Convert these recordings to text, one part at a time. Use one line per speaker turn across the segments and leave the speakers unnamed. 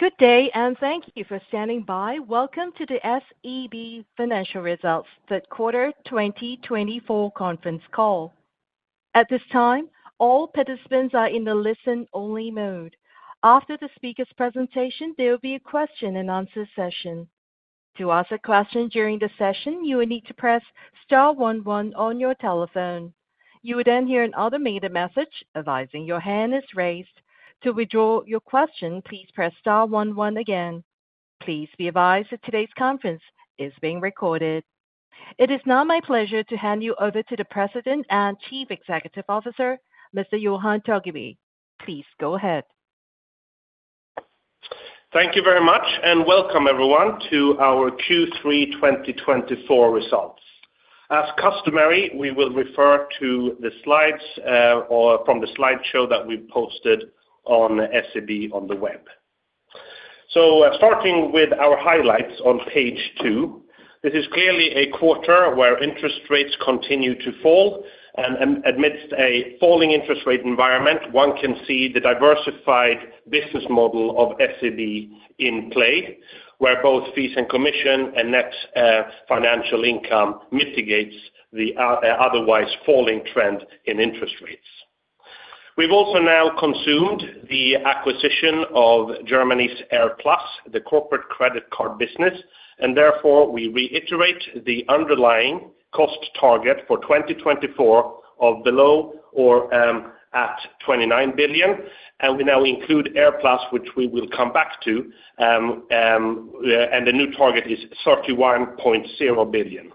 Good day, and thank you for standing by. Welcome to the SEB Financial Results, third quarter 2024 conference call. At this time, all participants are in the listen-only mode. After the speaker's presentation, there will be a question and answer session. To ask a question during the session, you will need to press star one one on your telephone. You will then hear an automated message advising your hand is raised. To withdraw your question, please press star one one again. Please be advised that today's conference is being recorded. It is now my pleasure to hand you over to the President and Chief Executive Officer, Mr. Johan Torgeby. Please go ahead.
Thank you very much, and welcome everyone to our Q3 2024 results. As customary, we will refer to the slides or from the slideshow that we posted on SEB on the web. So starting with our highlights on page 2, this is clearly a quarter where interest rates continue to fall, and amidst a falling interest rate environment, one can see the diversified business model of SEB in play, where both fees and commission and net financial income mitigates the otherwise falling trend in interest rates. We've also now consumed the acquisition of Germany's AirPlus, the corporate credit card business, and therefore we reiterate the underlying cost target for 2024 of below or at 29 billion, and we now include AirPlus, which we will come back to, and the new target is 31.0 billion.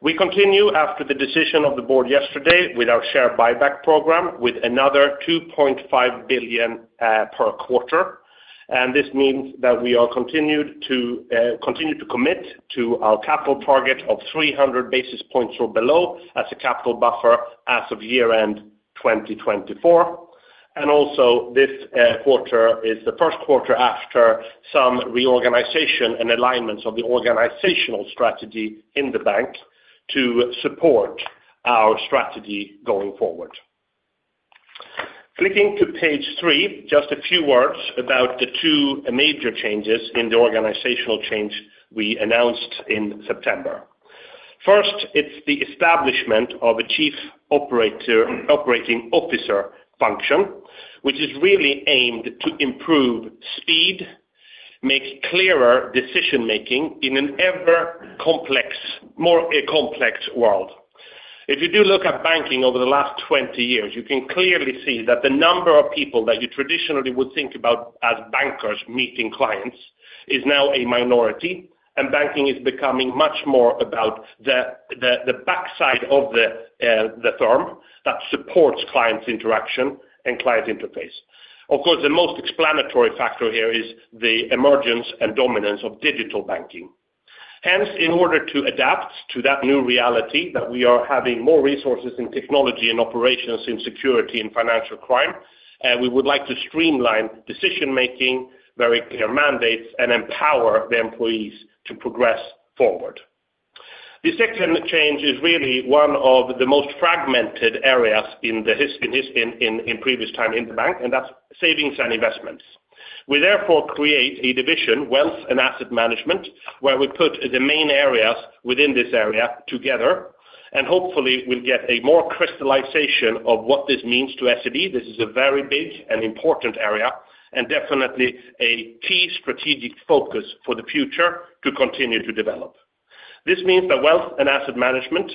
We continue after the decision of the board yesterday with our share buyback program with another 2.5 billion per quarter. And this means that we are continued to continue to commit to our capital target of 300 basis points or below as a capital buffer as of year-end 2024. And also this quarter is the first quarter after some reorganization and alignments of the organizational strategy in the bank to support our strategy going forward. Flipping to page 3, just a few words about the two major changes in the organizational change we announced in September. First, it's the establishment of a Chief Operating Officer function, which is really aimed to improve speed, make clearer decision-making in an ever-complex, more complex world. If you do look at banking over the last twenty years, you can clearly see that the number of people that you traditionally would think about as bankers meeting clients is now a minority, and banking is becoming much more about the backside of the firm that supports clients' interaction and client interface. Of course, the most explanatory factor here is the emergence and dominance of digital banking. Hence, in order to adapt to that new reality, that we are having more resources in technology and operations, in security and financial crime, we would like to streamline decision-making, very clear mandates, and empower the employees to progress forward. The second change is really one of the most fragmented areas in the history in previous time in the bank, and that's savings and investments. We therefore create a division, Wealth and Asset Management, where we put the main areas within this area together, and hopefully we'll get a more crystallization of what this means to SEB. This is a very big and important area and definitely a key strategic focus for the future to continue to develop. This means that Wealth and Asset Management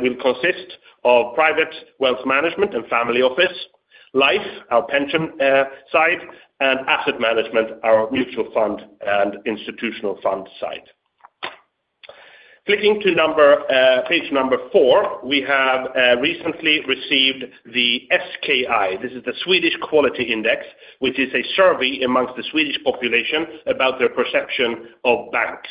will consist of private wealth management and family office, life, our pension side, and asset management, our mutual fund and institutional fund side. Flipping to page number four, we have recently received the SKI. This is the Swedish Quality Index, which is a survey among the Swedish population about their perception of banks.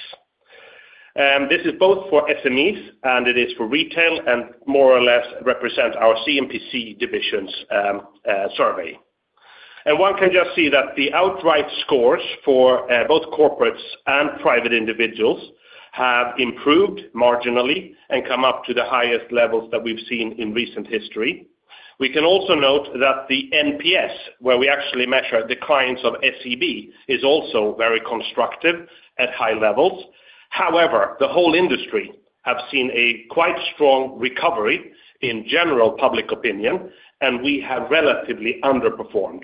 This is both for SMEs, and it is for retail, and more or less represents our CMPC divisions survey. And one can just see that the outright scores for both corporates and private individuals have improved marginally and come up to the highest levels that we've seen in recent history. We can also note that the NPS, where we actually measure the clients of SEB, is also very constructive at high levels. However, the whole industry have seen a quite strong recovery in general public opinion, and we have relatively underperformed.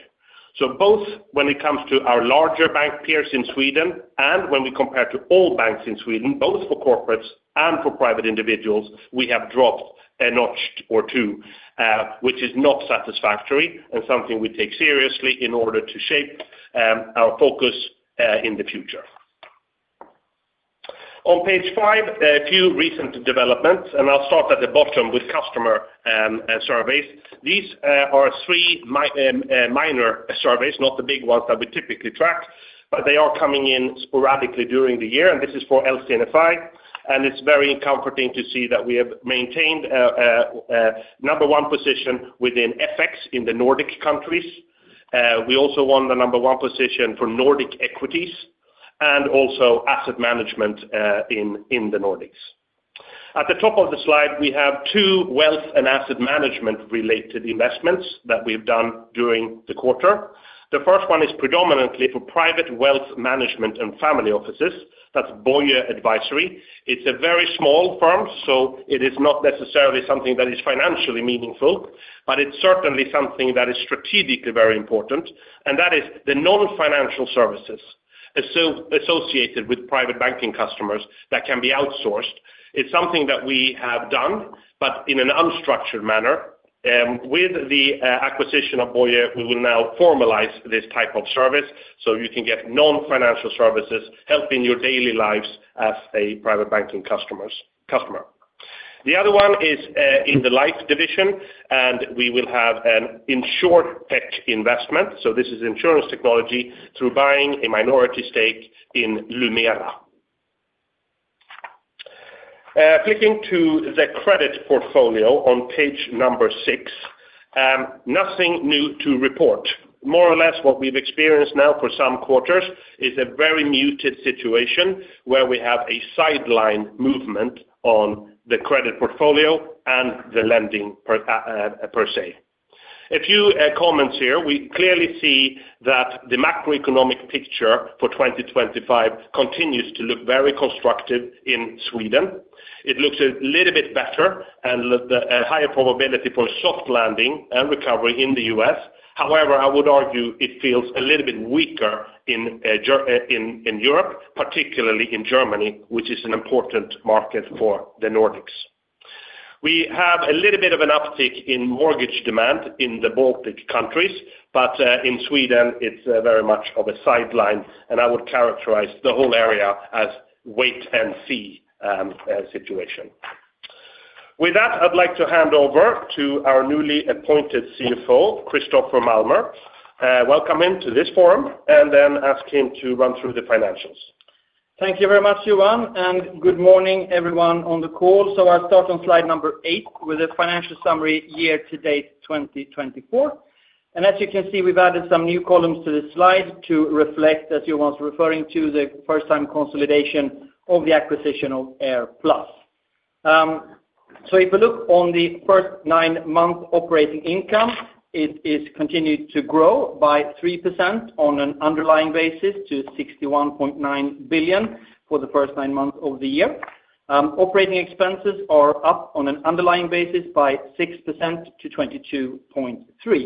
So both when it comes to our larger bank peers in Sweden and when we compare to all banks in Sweden, both for corporates and for private individuals, we have dropped a notch or two, which is not satisfactory and something we take seriously in order to shape our focus in the future. On page five, a few recent developments, and I'll start at the bottom with customer surveys. These are three minor surveys, not the big ones that we typically track, but they are coming in sporadically during the year, and this is for LCFI, and it's very comforting to see that we have maintained a number one position within FX in the Nordic countries. We also won the number one position for Nordic equities and also asset management in the Nordics. At the top of the slide, we have two wealth and asset management-related investments that we've done during the quarter. The first one is predominantly for private wealth management and family offices. That's Boyer Advisory. It's a very small firm, so it is not necessarily something that is financially meaningful, but it's certainly something that is strategically very important, and that is the non-financial services. So associated with private banking customers that can be outsourced, it's something that we have done, but in an unstructured manner. With the acquisition of Boyer, we will now formalize this type of service, so you can get non-financial services help in your daily lives as a private banking customer. The other one is in the life division, and we will have an InsurTech investment, so this is insurance technology through buying a minority stake in Lumera. Clicking to the credit portfolio on page number six, nothing new to report. More or less, what we've experienced now for some quarters is a very muted situation, where we have a sideways movement on the credit portfolio and the lending per se. A few comments here. We clearly see that the macroeconomic picture for 2025 continues to look very constructive in Sweden. It looks a little bit better and the higher probability for soft landing and recovery in the U.S. However, I would argue it feels a little bit weaker in Europe, particularly in Germany, which is an important market for the Nordics. We have a little bit of an uptick in mortgage demand in the Baltic countries, but in Sweden, it's very much of a sideline, and I would characterize the whole area as wait-and-see situation. With that, I'd like to hand over to our newly appointed CFO, Christoffer Malmer. Welcome him to this forum, and then ask him to run through the financials.
Thank you very much, Johan, and good morning, everyone on the call. I'll start on slide number 8 with a financial summary year-to-date 2024. As you can see, we've added some new columns to this slide to reflect, as Johan was referring to, the first time consolidation of the acquisition of AirPlus. If you look on the first nine-month operating income, it is continued to grow by 3% on an underlying basis to 61.9 billion for the first nine months of the year. Operating expenses are up on an underlying basis by 6% to 22.3.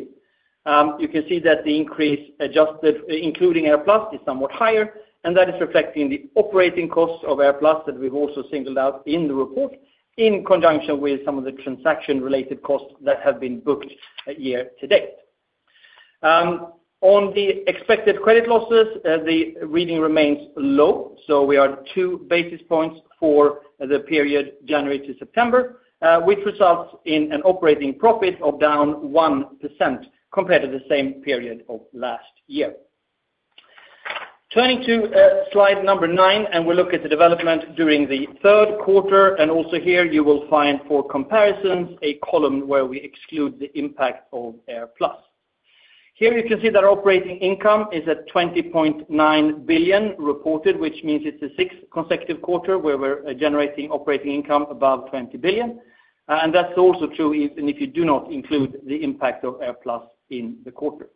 You can see that the increase adjusted, including AirPlus, is somewhat higher, and that is reflecting the operating costs of AirPlus that we've also singled out in the report, in conjunction with some of the transaction-related costs that have been booked a year to date. On the expected credit losses, the reading remains low, so we are two basis points for the period January to September, which results in an operating profit of down 1% compared to the same period of last year. Turning to slide number nine, and we look at the development during the third quarter, and also here you will find, for comparisons, a column where we exclude the impact of AirPlus. Here, you can see that our operating income is at 20.9 billion reported, which means it's the sixth consecutive quarter where we're generating operating income above 20 billion, and that's also true even if you do not include the impact of AirPlus in the quarter.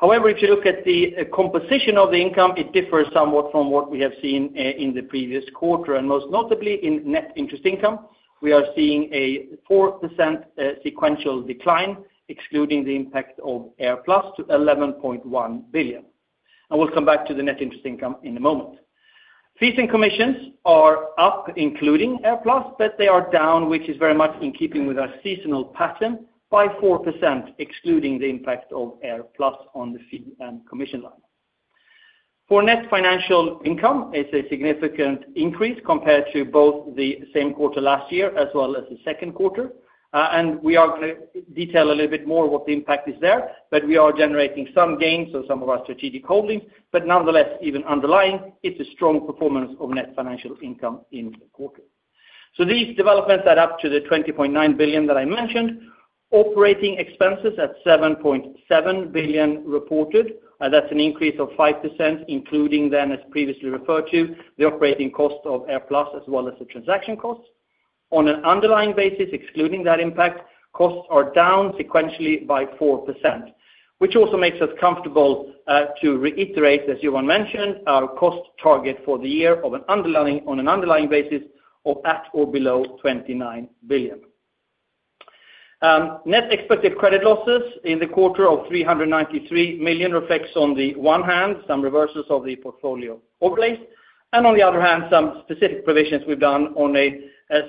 However, if you look at the composition of the income, it differs somewhat from what we have seen in the previous quarter, and most notably in net interest income, we are seeing a 4% sequential decline, excluding the impact of AirPlus, to 11.1 billion, and we'll come back to the net interest income in a moment. Fees and commissions are up, including AirPlus, but they are down, which is very much in keeping with our seasonal pattern, by 4%, excluding the impact of AirPlus on the fee and commission line. For net financial income, it's a significant increase compared to both the same quarter last year as well as the second quarter, and we are gonna detail a little bit more what the impact is there, but we are generating some gains on some of our strategic holdings, but nonetheless, even underlying, it's a strong performance of net financial income in the quarter, so these developments add up to the 20.9 billion that I mentioned. Operating expenses at 7.7 billion reported, that's an increase of 5%, including then, as previously referred to, the operating cost of AirPlus, as well as the transaction costs. On an underlying basis, excluding that impact, costs are down sequentially by 4%, which also makes us comfortable to reiterate, as Johan mentioned, our cost target for the year of an underlying basis of at or below 29 billion. Net expected credit losses in the quarter of 393 million reflects, on the one hand, some reversals of the portfolio overlays, and on the other hand, some specific provisions we've done on a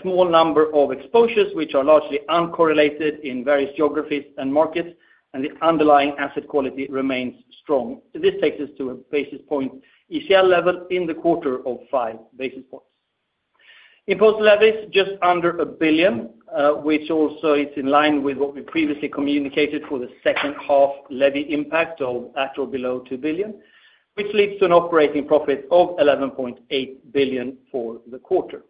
small number of exposures, which are largely uncorrelated in various geographies and markets, and the underlying asset quality remains strong. This takes us to a basis point ECL level in the quarter of five basis points. Imposed levies, just under 1 billion, which also is in line with what we previously communicated for the second half levy impact of at or below 2 billion, which leads to an operating profit of 11.8 billion for the quarter.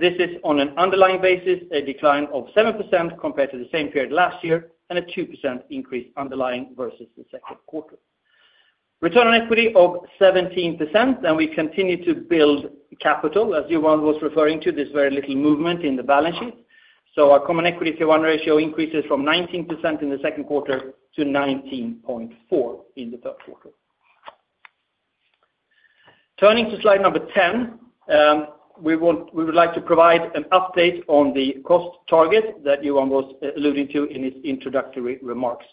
This is on an underlying basis, a decline of 7% compared to the same period last year, and a 2% increase underlying versus the second quarter. Return on equity of 17%, and we continue to build capital. As Johan was referring to, there's very little movement in the balance sheet. So our Common Equity Tier 1 ratio increases from 19% in the second quarter to 19.4% in the third quarter. Turning to slide number 10, we would like to provide an update on the cost target that Johan was alluding to in his introductory remarks.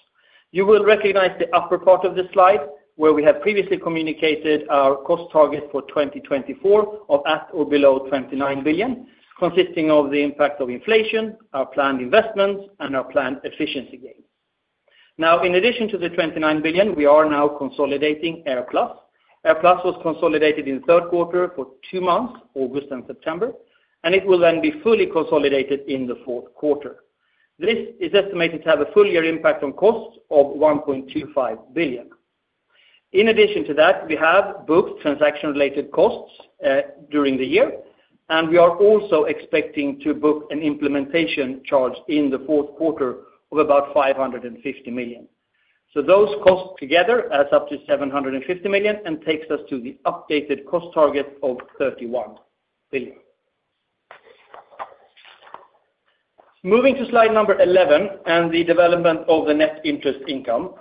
You will recognize the upper part of the slide, where we have previously communicated our cost target for 2024 of at or below 29 billion, consisting of the impact of inflation, our planned investments, and our planned efficiency gains. Now, in addition to the 29 billion, we are now consolidating AirPlus. AirPlus was consolidated in the third quarter for two months, August and September, and it will then be fully consolidated in the fourth quarter. This is estimated to have a full year impact on costs of 1.25 billion. In addition to that, we have booked transaction-related costs during the year, and we are also expecting to book an implementation charge in the fourth quarter of about 550 million. Those costs together adds up to 750 million and takes us to the updated cost target of 31 billion. Moving to slide 11, and the development of the net interest income.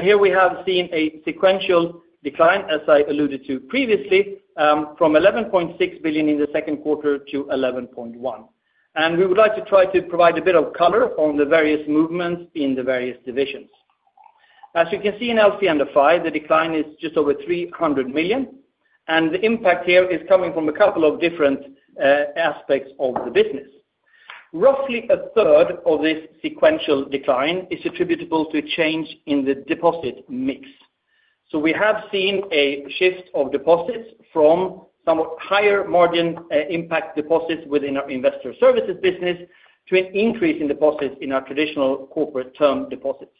Here we have seen a sequential decline, as I alluded to previously, from 11.6 billion in the second quarter to 11.1 billion. We would like to try to provide a bit of color on the various movements in the various divisions. As you can see in LC and FI, the decline is just over 300 million, and the impact here is coming from a couple of different aspects of the business. Roughly a third of this sequential decline is attributable to a change in the deposit mix. We have seen a shift of deposits from somewhat higher margin impact deposits within our investor services business to an increase in deposits in our traditional corporate term deposits.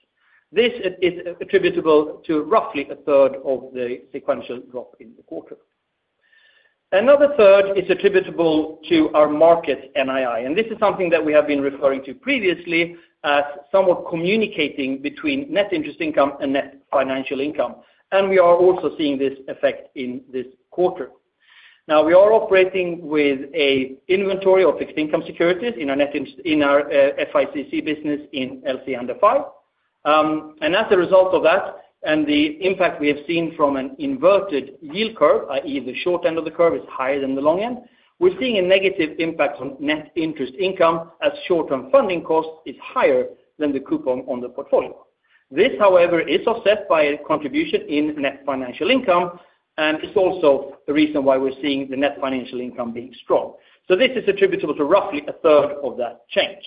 This is attributable to roughly a third of the sequential drop in the quarter. Another third is attributable to our market NII, and this is something that we have been referring to previously as somewhat communicating between net interest income and net financial income, and we are also seeing this effect in this quarter. Now, we are operating with an inventory of fixed income securities in our FICC business in LC and FI. And as a result of that, and the impact we have seen from an inverted yield curve, i.e., the short end of the curve is higher than the long end, we're seeing a negative impact on net interest income as short-term funding cost is higher than the coupon on the portfolio. This, however, is offset by a contribution in net financial income, and it's also the reason why we're seeing the net financial income being strong. So this is attributable to roughly a third of that change.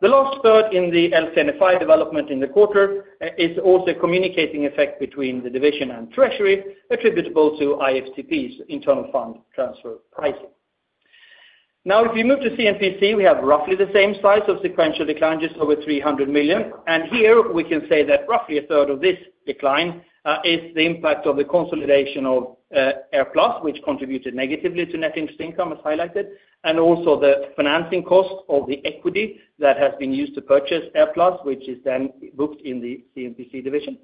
The last third in the LC and FI development in the quarter is also a compensating effect between the division and treasury, attributable to IFTP's internal fund transfer pricing. Now, if we move to CMPC, we have roughly the same size of sequential decline, just over 300 million. Here we can say that roughly a third of this decline is the impact of the consolidation of AirPlus, which contributed negatively to net interest income, as highlighted, and also the financing cost of the equity that has been used to purchase AirPlus, which is then booked in the CMPC division.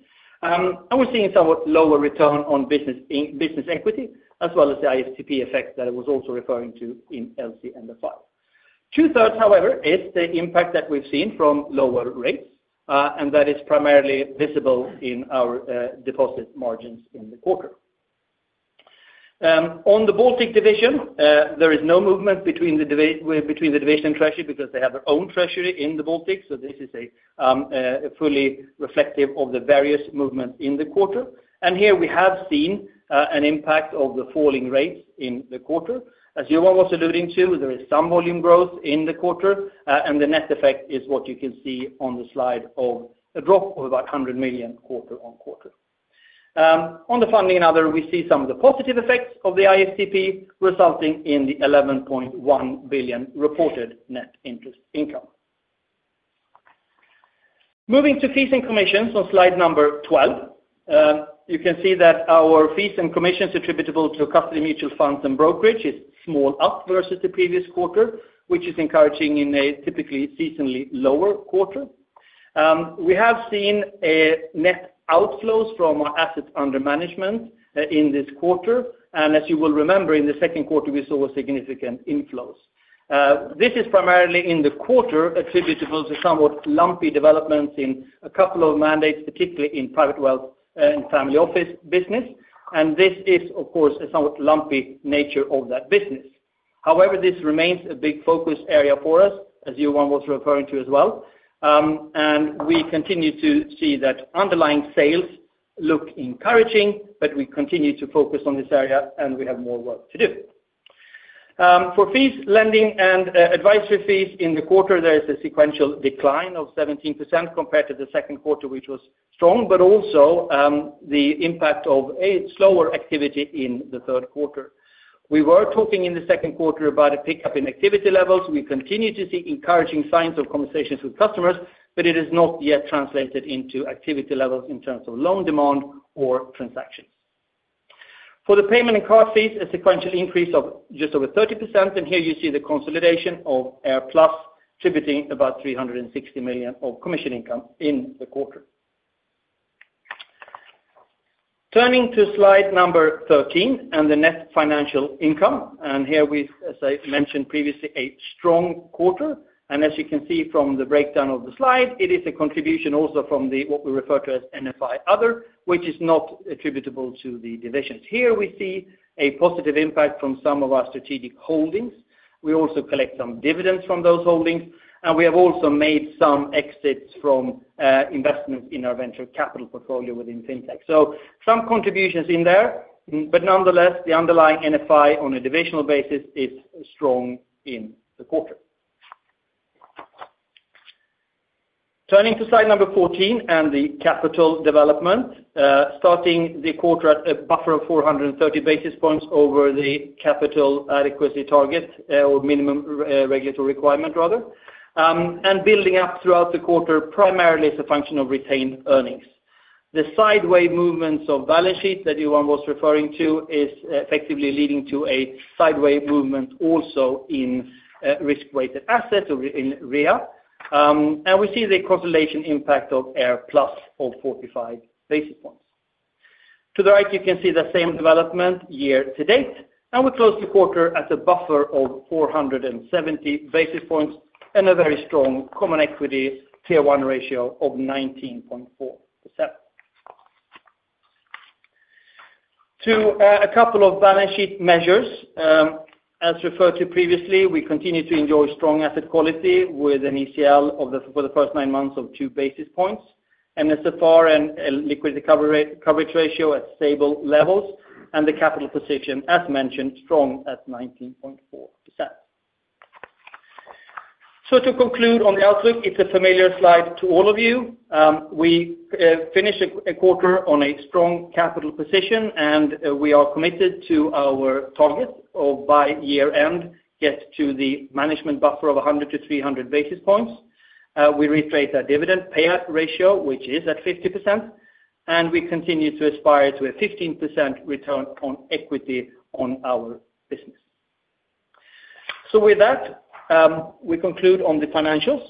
We're seeing a somewhat lower return on business equity, as well as the IFTP effect that I was also referring to in LC and FI. Two-thirds, however, is the impact that we've seen from lower rates, and that is primarily visible in our deposit margins in the quarter. On the Baltic division, there is no movement between the division and treasury because they have their own treasury in the Baltics, so this is fully reflective of the various movements in the quarter. Here we have seen an impact of the falling rates in the quarter. As Johan was alluding to, there is some volume growth in the quarter, and the net effect is what you can see on the slide of a drop of about 100 million quarter on quarter. On the funding and other, we see some of the positive effects of the IFTP, resulting in the 11.1 billion reported net interest income. Moving to fees and commissions on slide number twelve, you can see that our fees and commissions attributable to custody mutual funds and brokerage is small up versus the previous quarter, which is encouraging in a typically seasonally lower quarter. We have seen net outflows from our assets under management in this quarter, and as you will remember, in the second quarter, we saw significant inflows. This is primarily in the quarter attributable to somewhat lumpy developments in a couple of mandates, particularly in private wealth and family office business, and this is, of course, a somewhat lumpy nature of that business. However, this remains a big focus area for us, as Johan was referring to as well, and we continue to see that underlying sales look encouraging, but we continue to focus on this area, and we have more work to do. For fees, lending, and advisory fees in the quarter, there is a sequential decline of 17% compared to the second quarter, which was strong, but also the impact of a slower activity in the third quarter. We were talking in the second quarter about a pickup in activity levels. We continue to see encouraging signs of conversations with customers, but it has not yet translated into activity levels in terms of loan demand or transactions. For the payment and card fees, a sequential increase of just over 30%, and here you see the consolidation of AirPlus contributing about 360 million of commission income in the quarter. Turning to slide 13 and the net financial income, and here we've, as I mentioned previously, a strong quarter. And as you can see from the breakdown of the slide, it is a contribution also from the, what we refer to as NFI Other, which is not attributable to the divisions. Here we see a positive impact from some of our strategic holdings. We also collect some dividends from those holdings, and we have also made some exits from investment in our venture capital portfolio within Fintech. So some contributions in there, but nonetheless, the underlying NFI on a divisional basis is strong in the quarter. Turning to slide number 14 and the capital development, starting the quarter at a buffer of 430 basis points over the capital adequacy target, or minimum regulatory requirement rather, and building up throughout the quarter, primarily as a function of retained earnings. The sideways movements of balance sheet that Johan was referring to is effectively leading to a sideways movement also in, risk-weighted assets or in RWA. And we see the consolidation impact of AirPlus of 45 basis points. To the right, you can see the same development year to date, and we close the quarter at a buffer of 470 basis points and a very strong common equity Tier 1 ratio of 19.4%. To, a couple of balance sheet measures, as referred to previously, we continue to enjoy strong asset quality with an ECL of the, for the first nine months of 2 basis points, and SFR and, liquidity coverage ratio at stable levels, and the capital position, as mentioned, strong at 19.4%. So to conclude on the outlook, it's a familiar slide to all of you. We finish a quarter on a strong capital position, and we are committed to our target of by year end get to the management buffer of 100-300 basis points. We rephrase our dividend payout ratio, which is at 50%, and we continue to aspire to a 15% return on equity on our business. So with that, we conclude on the financials,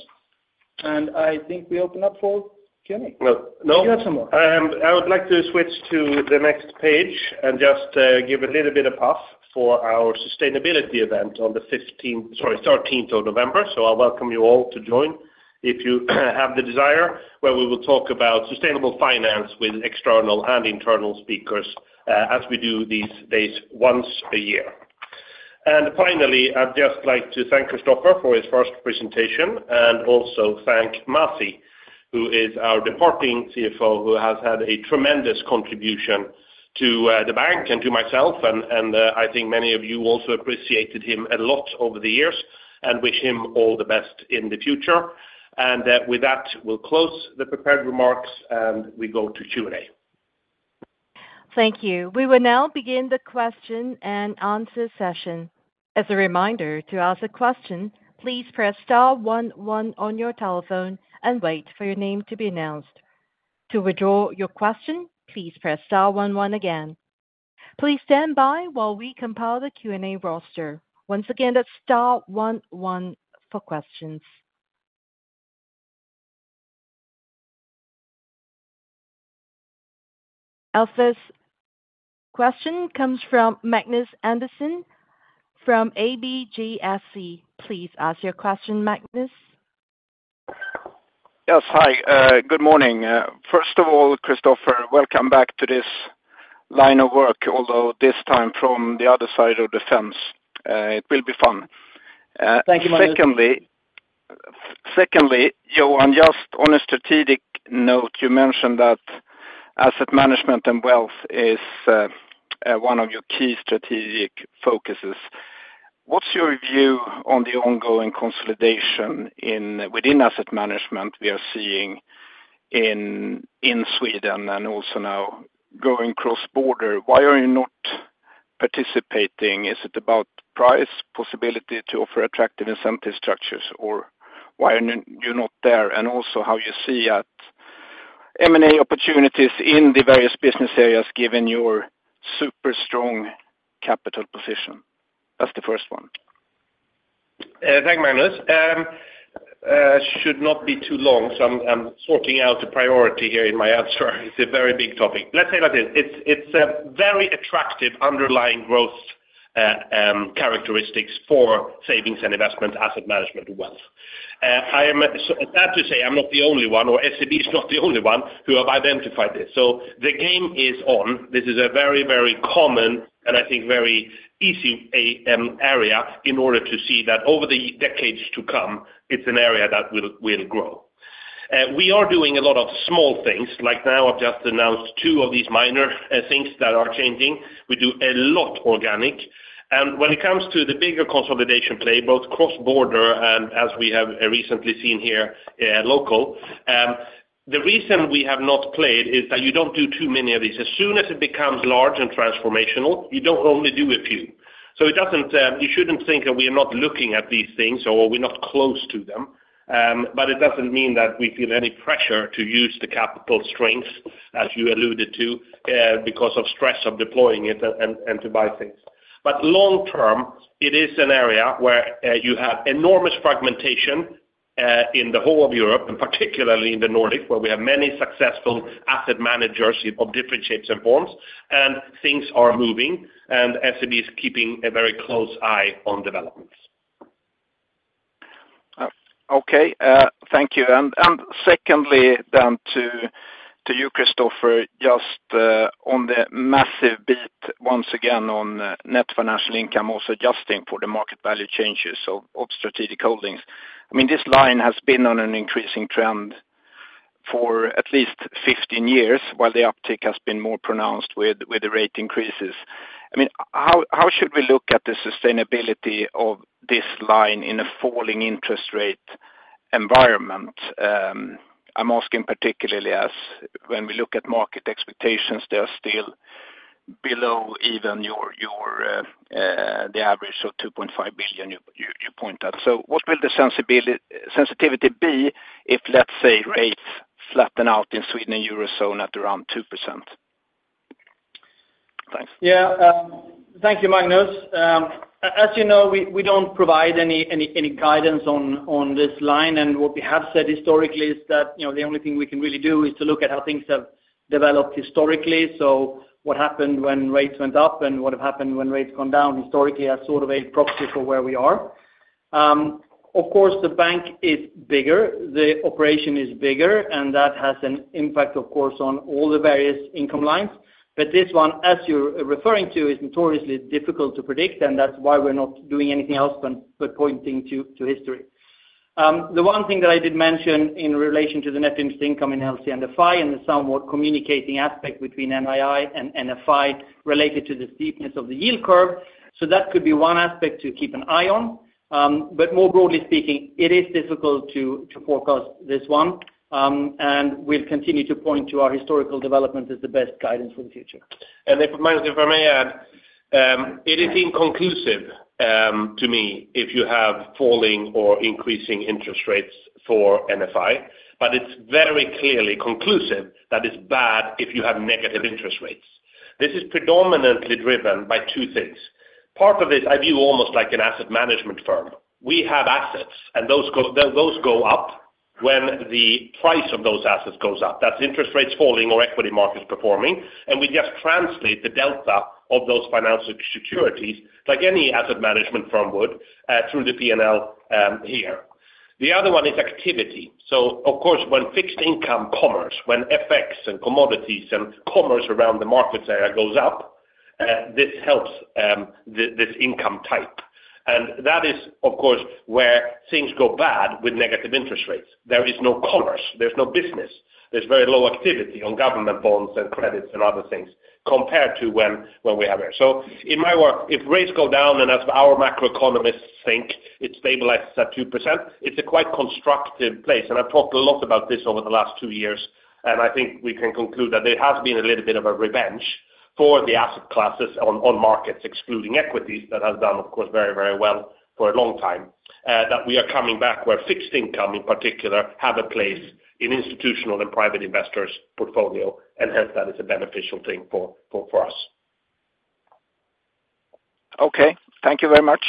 and I think we open up for Q&A.
No, no.
You have some more.
I would like to switch to the next page and just give a little bit of puff for our sustainability event on the fifteenth- sorry, 13th of November, so I welcome you all to join if you have the desire, where we will talk about sustainable finance with external and internal speakers, as we do these days once a year, and finally, I'd just like to thank Christoffer for his first presentation, and also thank Masih, who is our departing CFO, who has had a tremendous contribution to the bank and to myself, and I think many of you also appreciated him a lot over the years and wish him all the best in the future, and with that, we'll close the prepared remarks, and we go to Q&A.
Thank you. We will now begin the question and answer session. As a reminder, to ask a question, please press star one one on your telephone and wait for your name to be announced. To withdraw your question, please press star one one again. Please stand by while we compile the Q&A roster. Once again, that's star one one for questions. Our first question comes from Magnus Andersson from ABGSC. Please ask your question, Magnus.
Yes, hi. Good morning. First of all, Christoffer, welcome back to this line of work, although this time from the other side of the fence, it will be fun.
Thank you, Magnus.
Johan, just on a strategic note, you mentioned that asset management and wealth is one of your key strategic focuses. What's your view on the ongoing consolidation within asset management we are seeing in Sweden and also now going cross-border? Why are you not participating? Is it about price, possibility to offer attractive incentive structures, or why are you not there? And also, how you see at M&A opportunities in the various business areas, given your super strong capital position? That's the first one.
Thank Magnus. Should not be too long, so I'm sorting out the priority here in my answer. It's a very big topic. Let's say like this, it's a very attractive underlying growth characteristics for savings and investment, asset management, wealth. I am sad to say, I'm not the only one, or SEB is not the only one who have identified this. So the game is on. This is a very, very common, and I think very easy area in order to see that over the decades to come, it's an area that will grow. We are doing a lot of small things, like now I've just announced two of these minor things that are changing. We do a lot organic. When it comes to the bigger consolidation play, both cross-border and as we have recently seen here, local, the reason we have not played is that you don't do too many of these. As soon as it becomes large and transformational, you don't only do a few. It doesn't, you shouldn't think that we are not looking at these things or we're not close to them. But it doesn't mean that we feel any pressure to use the capital strength, as you alluded to, because of stress of deploying it and to buy things. But long term, it is an area where you have enormous fragmentation in the whole of Europe, and particularly in the Nordics, where we have many successful asset managers of different shapes and forms, and things are moving, and SEB is keeping a very close eye on developments.
Okay, thank you. Secondly, to you, Christoffer, just on the massive beat once again on net financial income, also adjusting for the market value changes of strategic holdings. I mean, this line has been on an increasing trend for at least 15 years, while the uptick has been more pronounced with the rate increases. I mean, how should we look at the sustainability of this line in a falling interest rate environment? I'm asking particularly as when we look at market expectations, they are still below even your the average of 2.5 billion you point out. So what will the sensitivity be if, let's say, rates flatten out in Sweden and Eurozone at around 2%? Thanks.
Yeah, thank you, Magnus. As you know, we don't provide any guidance on this line. And what we have said historically is that, you know, the only thing we can really do is to look at how things have developed historically. So what happened when rates went up and what have happened when rates gone down historically as sort of a proxy for where we are. Of course, the bank is bigger, the operation is bigger, and that has an impact, of course, on all the various income lines. But this one, as you're referring to, is notoriously difficult to predict, and that's why we're not doing anything else than but pointing to history. The one thing that I did mention in relation to the net interest income in LCE and the FI and the somewhat communicating aspect between NII and NFI related to the steepness of the yield curve, so that could be one aspect to keep an eye on. But more broadly speaking, it is difficult to forecast this one, and we'll continue to point to our historical development as the best guidance for the future.
And then, Magnus, if I may add, it is inconclusive, to me, if you have falling or increasing interest rates for NFI, but it's very clearly conclusive that it's bad if you have negative interest rates. This is predominantly driven by two things. Part of it, I view almost like an asset management firm. We have assets, and those go up when the price of those assets goes up. That's interest rates falling or equity markets performing, and we just translate the delta of those financial securities, like any asset management firm would, through the P&L, here. The other one is activity. So of course, when fixed income, currencies, and commodities around the markets area goes up, this income type. And that is, of course, where things go bad with negative interest rates. There is no commerce, there's no business, there's very low activity on government bonds and credits and other things compared to when we have it. In my work, if rates go down, and as our macroeconomists think, it stabilizes at 2%, it's a quite constructive place. I've talked a lot about this over the last two years, and I think we can conclude that there has been a little bit of a revenge for the asset classes on markets, excluding equities, that have done, of course, very, very well for a long time. We are coming back where fixed income, in particular, has a place in institutional and private investors' portfolios, and hence that is a beneficial thing for us.
Okay. Thank you very much.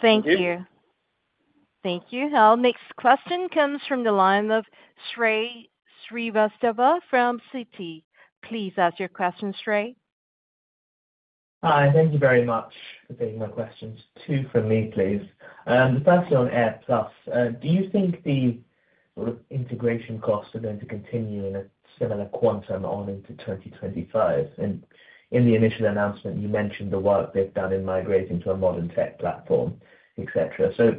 Thank you. Thank you. Our next question comes from the line of Shrey Srivastava from Citi. Please ask your question, Shrey.
Hi, thank you very much for taking my questions. Two from me, please. First on AirPlus, do you think the integration costs are going to continue in a similar quantum on into 2025? And in the initial announcement, you mentioned the work they've done in migrating to a modern tech platform, et cetera. So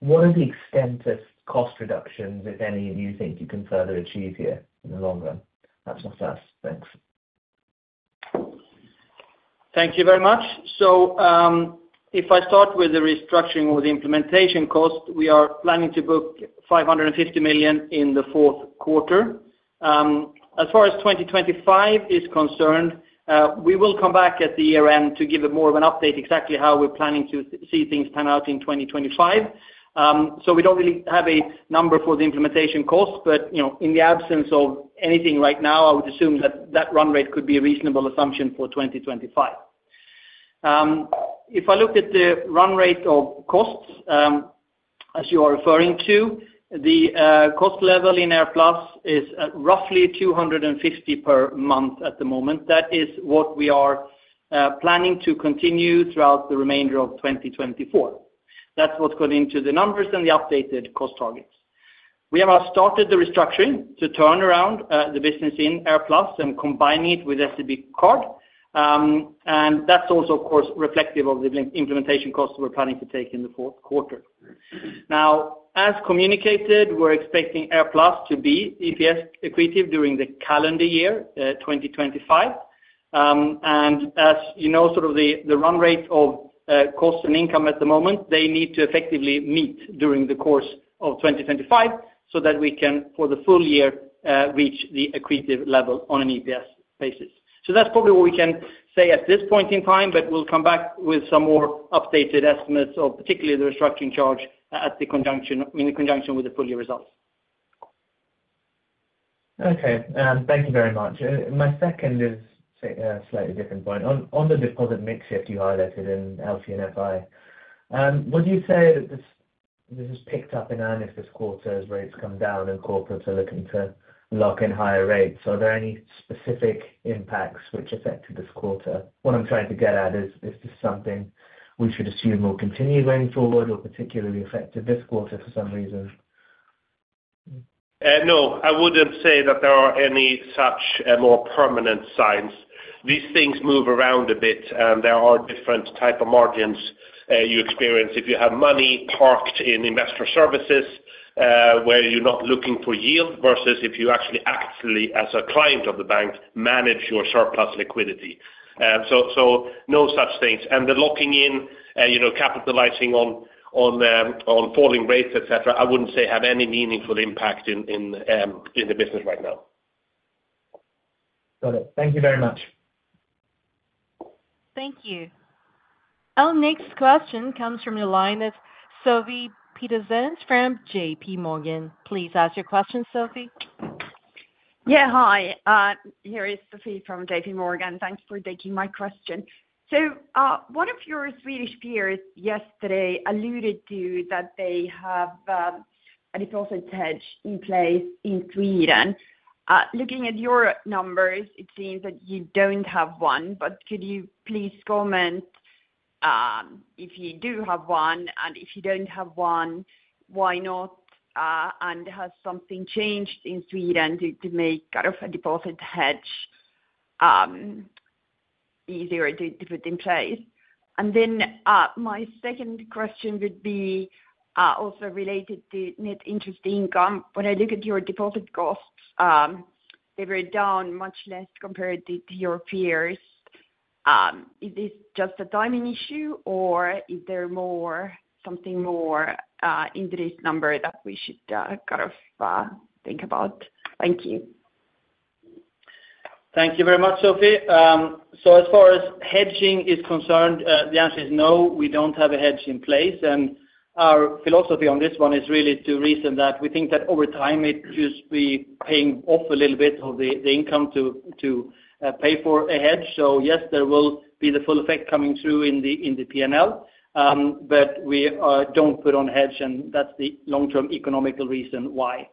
what are the extent of cost reductions, if any, you think you can further achieve here in the long run? That's my first. Thanks.
Thank you very much. So, if I start with the restructuring or the implementation cost, we are planning to book 550 million in the fourth quarter. As far as 2025 is concerned, we will come back at the year-end to give a more of an update exactly how we're planning to see things pan out in 2025. So we don't really have a number for the implementation cost, but, you know, in the absence of anything right now, I would assume that that run rate could be a reasonable assumption for 2025. If I look at the run rate of costs, as you are referring to, the cost level in AirPlus is roughly 250 per month at the moment. That is what we are planning to continue throughout the remainder of 2024. That's what's gone into the numbers and the updated cost targets. We have now started the restructuring to turn around the business in AirPlus and combine it with SEB Card. And that's also, of course, reflective of the blend implementation costs we're planning to take in the fourth quarter. Now, as communicated, we're expecting AirPlus to be EPS accretive during the calendar year 2025. And as you know, sort of the run rate of cost and income at the moment, they need to effectively meet during the course of 2025, so that we can, for the full-year, reach the accretive level on an EPS basis. That's probably what we can say at this point in time, but we'll come back with some more updated estimates of particularly the restructuring charge in conjunction with the full-year results.
Okay, thank you very much. My second is, say, a slightly different point. On the deposit mix shift you highlighted in LC and FI, would you say that this has picked up in earnest this quarter as rates come down and corporates are looking to lock in higher rates? Are there any specific impacts which affected this quarter? What I'm trying to get at is this something we should assume will continue going forward or particularly affected this quarter for some reason?
No, I wouldn't say that there are any such more permanent signs. These things move around a bit, and there are different type of margins you experience. If you have money parked in investor services, where you're not looking for yield, versus if you actually, actively, as a client of the bank, manage your surplus liquidity. So, no such things. And the locking in, you know, capitalizing on falling rates, etc, I wouldn't say have any meaningful impact in the business right now.
Got it. Thank you very much.
Thank you. Our next question comes from the line of Sofie Peterzens from JPMorgan. Please ask your question, Sofie.
Yeah, hi. Here is Sofie Peterzens from JPMorgan Chase. Thanks for taking my question. So, one of your Swedish peers yesterday alluded to that they have a deposit hedge in place in Sweden. Looking at your numbers, it seems that you don't have one, but could you please comment if you do have one, and if you don't have one, why not? And has something changed in Sweden to make kind of a deposit hedge easier to put in place? And then, my second question would be also related to net interest income. When I look at your deposit costs, they were down much less compared to your peers. Is this just a timing issue, or is there more, something more in this number that we should kind of think about? Thank you.
Thank you very much, Sofie. So as far as hedging is concerned, the answer is no, we don't have a hedge in place. And our philosophy on this one is really two reasons, that we think that over time it just be paying off a little bit of the income to pay for a hedge. So yes, there will be the full effect coming through in the P&L. But we don't put on a hedge, and that's the long-term economic reason why.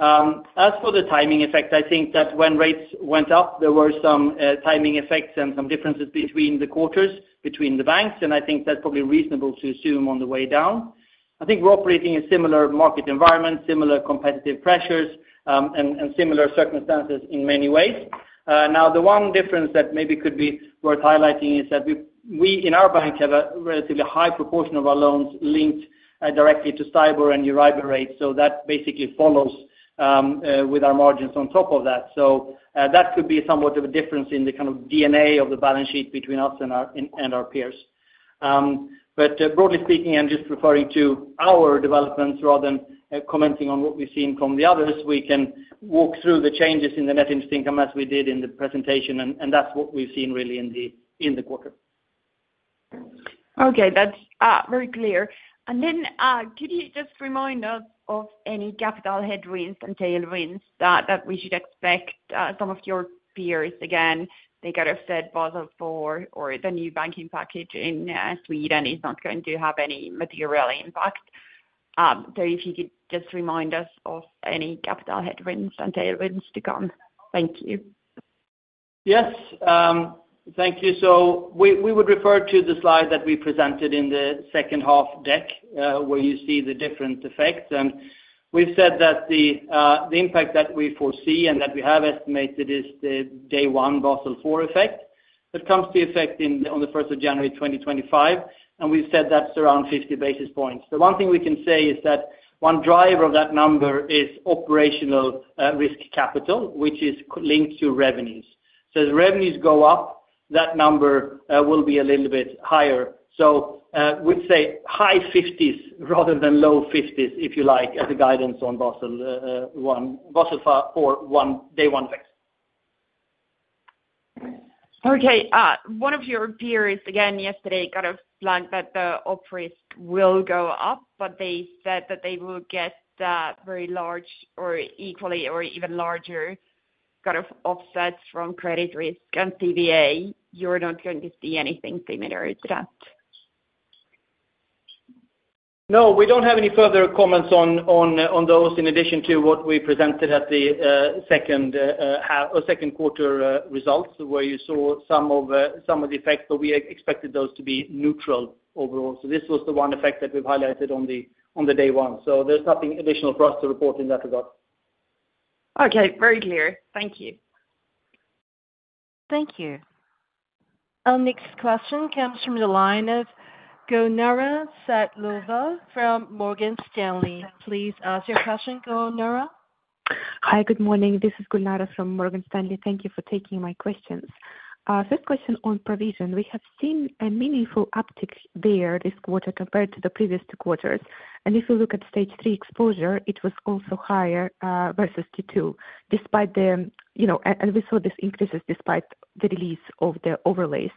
As for the timing effect, I think that when rates went up, there were some timing effects and some differences between the quarters, between the banks, and I think that's probably reasonable to assume on the way down. I think we're operating a similar market environment, similar competitive pressures, and similar circumstances in many ways. Now, the one difference that maybe could be worth highlighting is that we in our bank have a relatively high proportion of our loans linked directly to STIBOR and EURIBOR rates, so that basically follows with our margins on top of that. So, that could be somewhat of a difference in the kind of DNA of the balance sheet between us and our peers. But broadly speaking, I'm just referring to our developments rather than commenting on what we've seen from the others. We can walk through the changes in the net interest income, as we did in the presentation, and that's what we've seen really in the quarter.
Okay. That's very clear. And then could you just remind us of any capital headwinds and tailwinds that we should expect, some of your peers, again, they kind of said Basel IV or the new banking package in Sweden is not going to have any material impact. So if you could just remind us of any capital headwinds and tailwinds to come. Thank you.
Yes. Thank you, so we would refer to the slide that we presented in the second half deck, where you see the different effects, and we've said that the impact that we foresee and that we have estimated is the day one Basel IV effect. That comes to effect in, on the 1st of January 2025, and we've said that's around fifty basis points. The one thing we can say is that one driver of that number is operational risk capital, which is linked to revenues. So as revenues go up, that number will be a little bit higher. So we'd say high fifties rather than low fifties, if you like, as a guidance on Basel one, Basel IV one, day one effect.
Okay, one of your peers, again, yesterday, kind of planned that the op risk will go up, but they said that they will get very large or equally or even larger kind of offsets from credit risk and PVA. You're not going to see anything similar to that?
No, we don't have any further comments on those in addition to what we presented at the second half or second quarter results, where you saw some of the effects, but we expected those to be neutral overall. So this was the one effect that we've highlighted on the day one. So there's nothing additional for us to report in that regard.
Okay. Very clear. Thank you.
Thank you. Our next question comes from the line of Gulnara Saitkulova from Morgan Stanley. Please ask your question, Gulnara.
Hi, good morning. This is Gulnara from Morgan Stanley. Thank you for taking my questions. First question on provision. We have seen a meaningful uptick there this quarter compared to the previous two quarters, and if you look at stage three exposure, it was also higher versus Q2, despite the and we saw these increases despite the release of the overlays.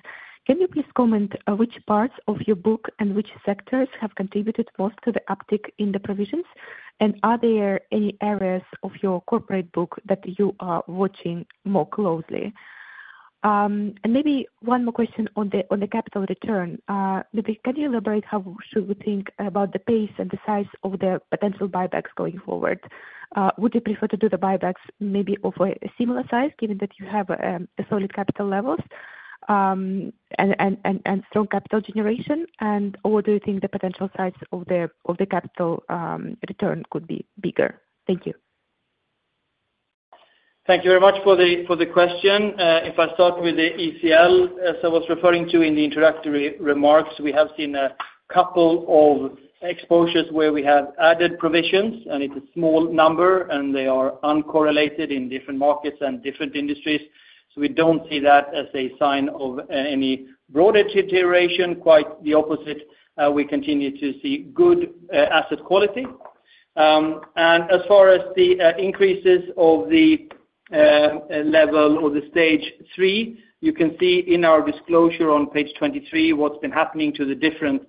Can you please comment which parts of your book and which sectors have contributed most to the uptick in the provisions? And are there any areas of your corporate book that you are watching more closely? And maybe one more question on the capital return. Could you elaborate how should we think about the pace and the size of the potential buybacks going forward? Would you prefer to do the buybacks maybe of a similar size, given that you have a solid capital levels, and strong capital generation? And or do you think the potential size of the capital return could be bigger? Thank you.
Thank you very much for the question. If I start with the ECL, as I was referring to in the introductory remarks, we have seen a couple of exposures where we have added provisions, and it's a small number, and they are uncorrelated in different markets and different industries. So we don't see that as a sign of any broader deterioration. Quite the opposite, we continue to see good asset quality. And as far as the increases of the level or the stage three, you can see in our disclosure on page 23, what's been happening to the different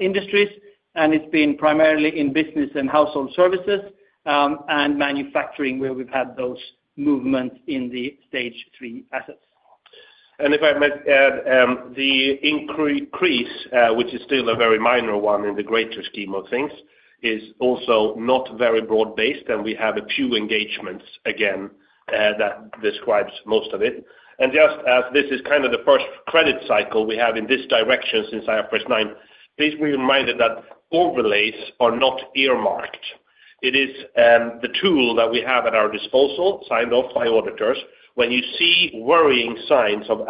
industries, and it's been primarily in business and household services and manufacturing, where we've had those movements in the stage three assets.
And if I might add, the increase, which is still a very minor one in the greater scheme of things, is also not very broad-based, and we have a few engagements, again, that describes most of it. Just as this is kind of the first credit cycle we have in this direction since IFRS 9, please be reminded that overlays are not earmarked. It is the tool that we have at our disposal, signed off by auditors, when you see worrying signs of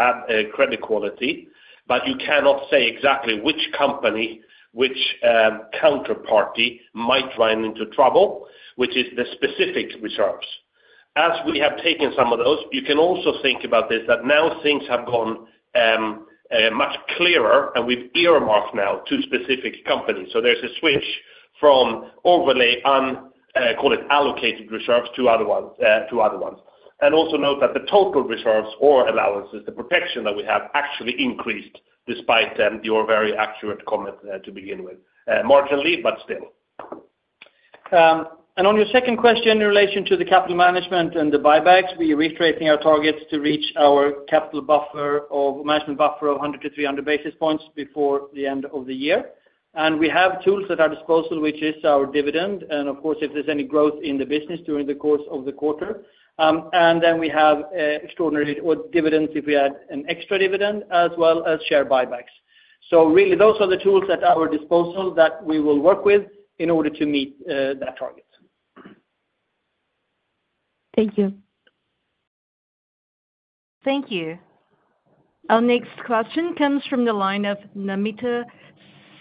credit quality, but you cannot say exactly which company, which counterparty might run into trouble, which is the specific reserves. As we have taken some of those, you can also think about this, that now things have gone much clearer, and we've earmarked now to specific companies. So there's a switch from overlay, call it, allocated reserves to other ones. And also note that the total reserves or allowances, the protection that we have actually increased despite your very accurate comment to begin with. Marginally, but still.
And on your second question in relation to the capital management and the buybacks, we are retrenching our targets to reach our capital buffer or management buffer of 100-300 basis points before the end of the year. And we have tools at our disposal, which is our dividend, and of course, if there's any growth in the business during the course of the quarter. And then we have extraordinary dividends, if we add an extra dividend, as well as share buybacks. So really, those are the tools at our disposal that we will work with in order to meet that target.
Thank you.
Thank you. Our next question comes from the line of Namita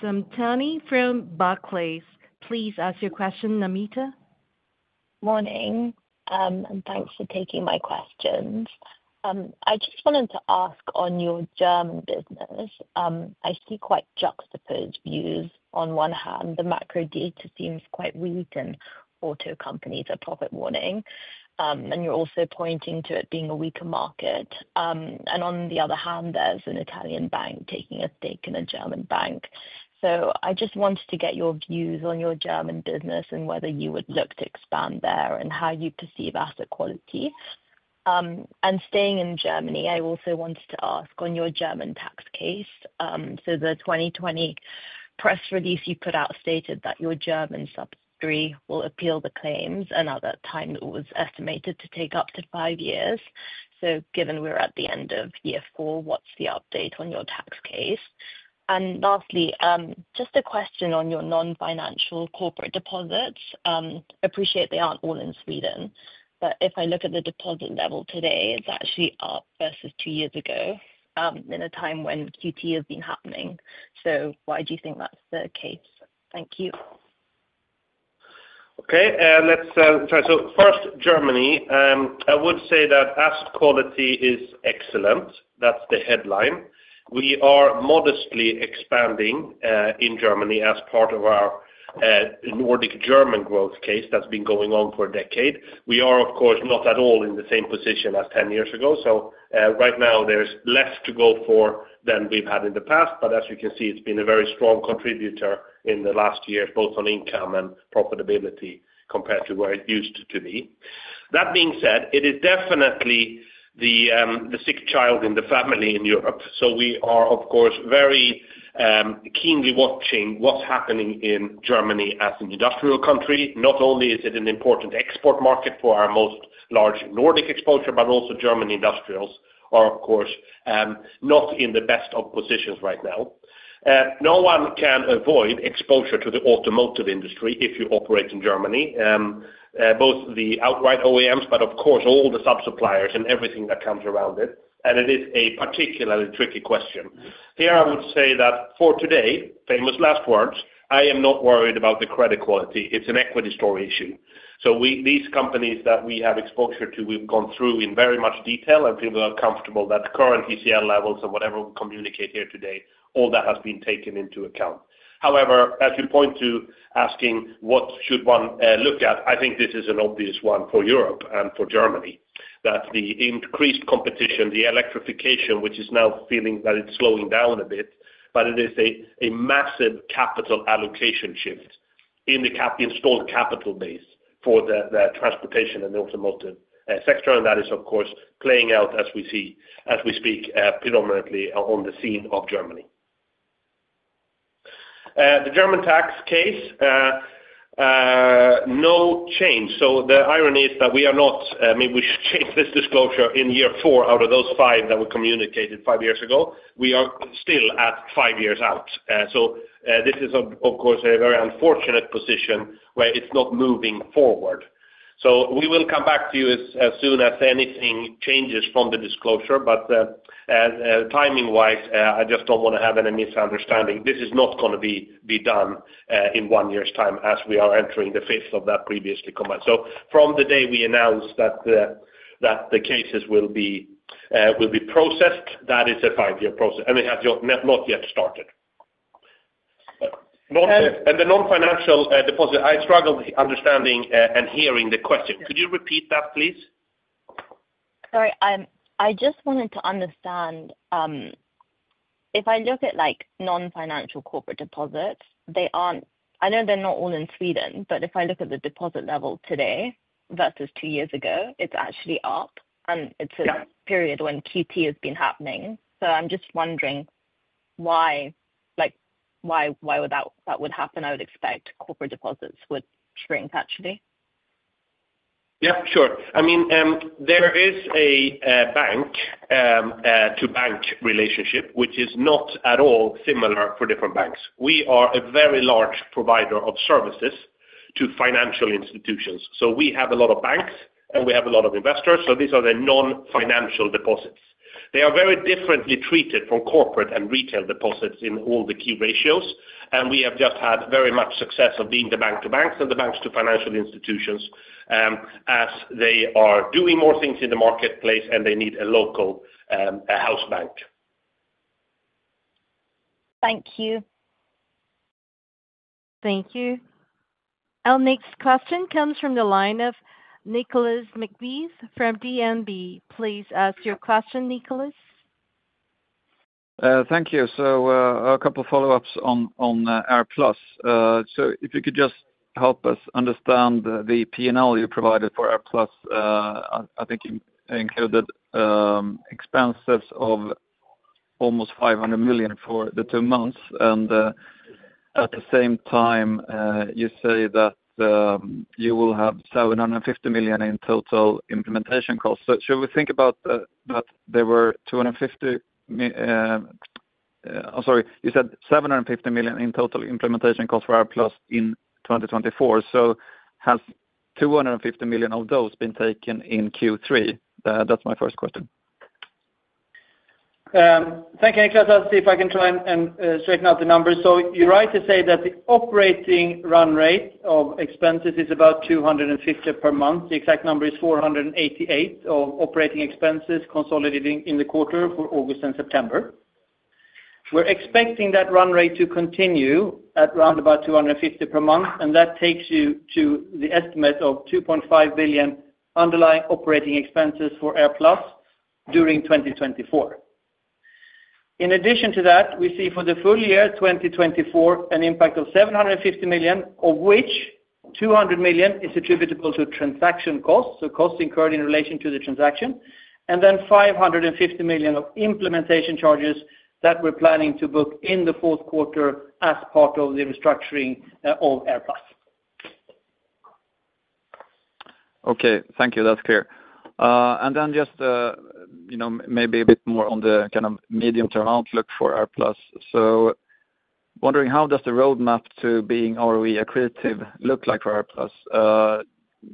Samtani from Barclays. Please ask your question, Namita.
Morning, and thanks for taking my questions. I just wanted to ask on your German business. I see quite juxtaposed views. On one hand, the macro data seems quite weak, and auto companies are profit warning. And you're also pointing to it being a weaker market. And on the other hand, there's an Italian bank taking a stake in a German bank. So I just wanted to get your views on your German business and whether you would look to expand there, and how you perceive asset quality. And staying in Germany, I also wanted to ask on your German tax case, so the 2020 press release you put out stated that your German subsidiary will appeal the claims, and at that time, it was estimated to take up to five years. So given we're at the end of year four, what's the update on your tax case? And lastly, just a question on your non-financial corporate deposits. Appreciate they aren't all in Sweden, but if I look at the deposit level today, it's actually up versus two years ago, in a time when QT has been happening. So why do you think that's the case? Thank you.
Okay, let's try. First, Germany. I would say that asset quality is excellent. That's the headline. We are modestly expanding in Germany as part of our Nordic German growth case that's been going on for a decade. We are, of course, not at all in the same position as ten years ago, so right now there's less to go for than we've had in the past. But as you can see, it's been a very strong contributor in the last years, both on income and profitability, compared to where it used to be. That being said, it is definitely the sick child in the family in Europe. We are, of course, very keenly watching what's happening in Germany as an industrial country. Not only is it an important export market for our largest Nordic exposure, but also German industrials are, of course, not in the best of positions right now. No one can avoid exposure to the automotive industry if you operate in Germany. Both the outright OEMs, but of course, all the sub-suppliers and everything that comes around it, and it is a particularly tricky question. Here I would say that for today, famous last words, I am not worried about the credit quality. It's an equity story issue. So these companies that we have exposure to, we've gone through in very much detail, and people are comfortable that the current ECL levels and whatever we communicate here today, all that has been taken into account. However, as you point to asking what should one, look at, I think this is an obvious one for Europe and for Germany. That the increased competition, the electrification, which is now feeling that it's slowing down a bit, but it is a massive capital allocation shift. in the capital-intensive capital base for the transportation and automotive sector. That is, of course, playing out as we see as we speak, predominantly in Germany.
The German tax case, no change. The irony is that we are not maybe we should change this disclosure in year four out of those five that we communicated five years ago. We are still at five years out. This is, of course, a very unfortunate position where it's not moving forward. We will come back to you as soon as anything changes from the disclosure, but timing-wise, I just don't want to have any misunderstanding. This is not gonna be done in one year's time as we are entering the fifth of that previously combined. So from the day we announced that the cases will be processed, that is a 5-year process, and we have not yet started. And the non-financial deposit, I struggle with understanding and hearing the question. Could you repeat that, please?
Sorry, I just wanted to understand, if I look at, like, non-financial corporate deposits, they aren't-- I know they're not all in Sweden, but if I look at the deposit level today versus two years ago, it's actually up, and it's-... a period when QT has been happening. So I'm just wondering why, like, why would that happen? I would expect corporate deposits would shrink, actually.
Yeah, sure. I mean, there is a bank to bank relationship, which is not at all similar for different banks. We are a very large provider of services to financial institutions, so we have a lot of banks, and we have a lot of investors, so these are the non-financial deposits. They are very differently treated from corporate and retail deposits in all the key ratios, and we have just had very much success of being the bank to banks and the banks to financial institutions, as they are doing more things in the marketplace, and they need a local house bank.
Thank you.
Thank you. Our next question comes from the line of Nicolas McVeigh from DNB. Please ask your question, Nicolas.
Thank you. So, a couple follow-ups on AirPlus. So if you could just help us understand the P&L you provided for AirPlus, I think you included expenses of almost 500 million for the two months, and at the same time, you say that you will have 750 million in total implementation costs. So should we think about that there were 250 million? I'm sorry, you said 750 million in total implementation costs for AirPlus in 2024. So has 250 million of those been taken in Q3? That's my first question.
Thank you, Nicolas. I'll see if I can try and straighten out the numbers. You're right to say that the operating run rate of expenses is about 250 million per month. The exact number is 488 million of operating expenses consolidating in the quarter for August and September. We're expecting that run rate to continue at around about 250 million per month, and that takes you to the estimate of 2.5 billion underlying operating expenses for AirPlus during 2024. In addition to that, we see for the full-year 2024, an impact of 750 million, of which 200 million is attributable to transaction costs, so costs incurred in relation to the transaction, and then 550 million of implementation charges that we're planning to book in the fourth quarter as part of the restructuring of AirPlus.
Okay. Thank you. That's clear. And then just, you know, maybe a bit more on the kind of medium-term outlook for AirPlus. So wondering, how does the roadmap to being ROE accretive look like for AirPlus?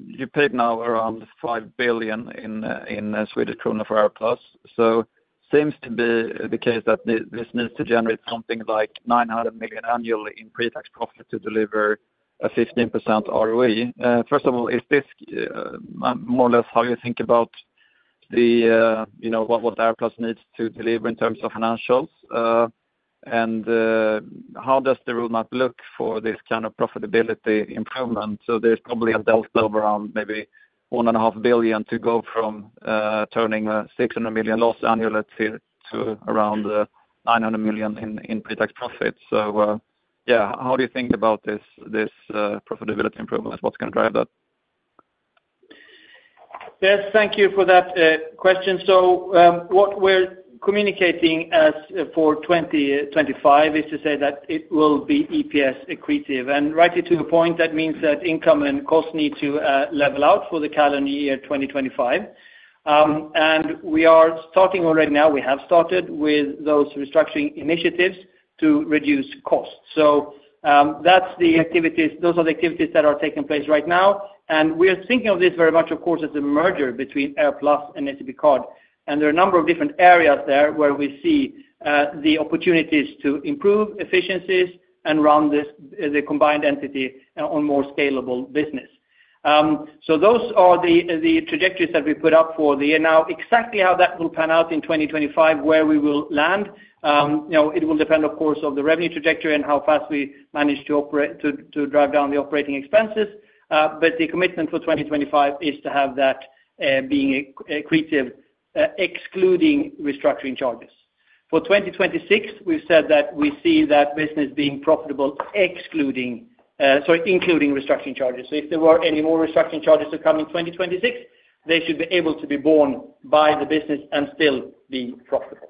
You paid now around 5 billion for AirPlus, so seems to be the case that this, this needs to generate something like SEK $900 million annually in pre-tax profit to deliver a 15% ROE. First of all, is this, more or less how you think about the, you know, what, what AirPlus needs to deliver in terms of financials? And, how does the roadmap look for this kind of profitability improvement? So there's probably a delta of around maybe SEK $1.5 billion to go from turning a SEK $600 million loss annually, let's say, to around SEK $900 million in pre-tax profits. So, yeah, how do you think about this profitability improvement? What's gonna drive that?
Yes, thank you for that, question. So, what we're communicating as for 2025 is to say that it will be EPS accretive. And rightly to the point, that means that income and costs need to level out for the calendar year 2025. And we are starting already now, we have started with those restructuring initiatives to reduce costs. So, that's the activities, those are the activities that are taking place right now, and we are thinking of this very much, of course, as a merger between AirPlus and Eurocard. And there are a number of different areas there where we see the opportunities to improve efficiencies and run this, the combined entity on more scalable business. So those are the trajectories that we put up for the year. Now, exactly how that will pan out in 2025, where we will land, you know, it will depend, of course, on the revenue trajectory and how fast we manage to drive down the operating expenses, but the commitment for 2025 is to have that being accretive, excluding restructuring charges. For 2026, we've said that we see that business being profitable including restructuring charges. So if there were any more restructuring charges to come in 2026, they should be able to be borne by the business and still be profitable,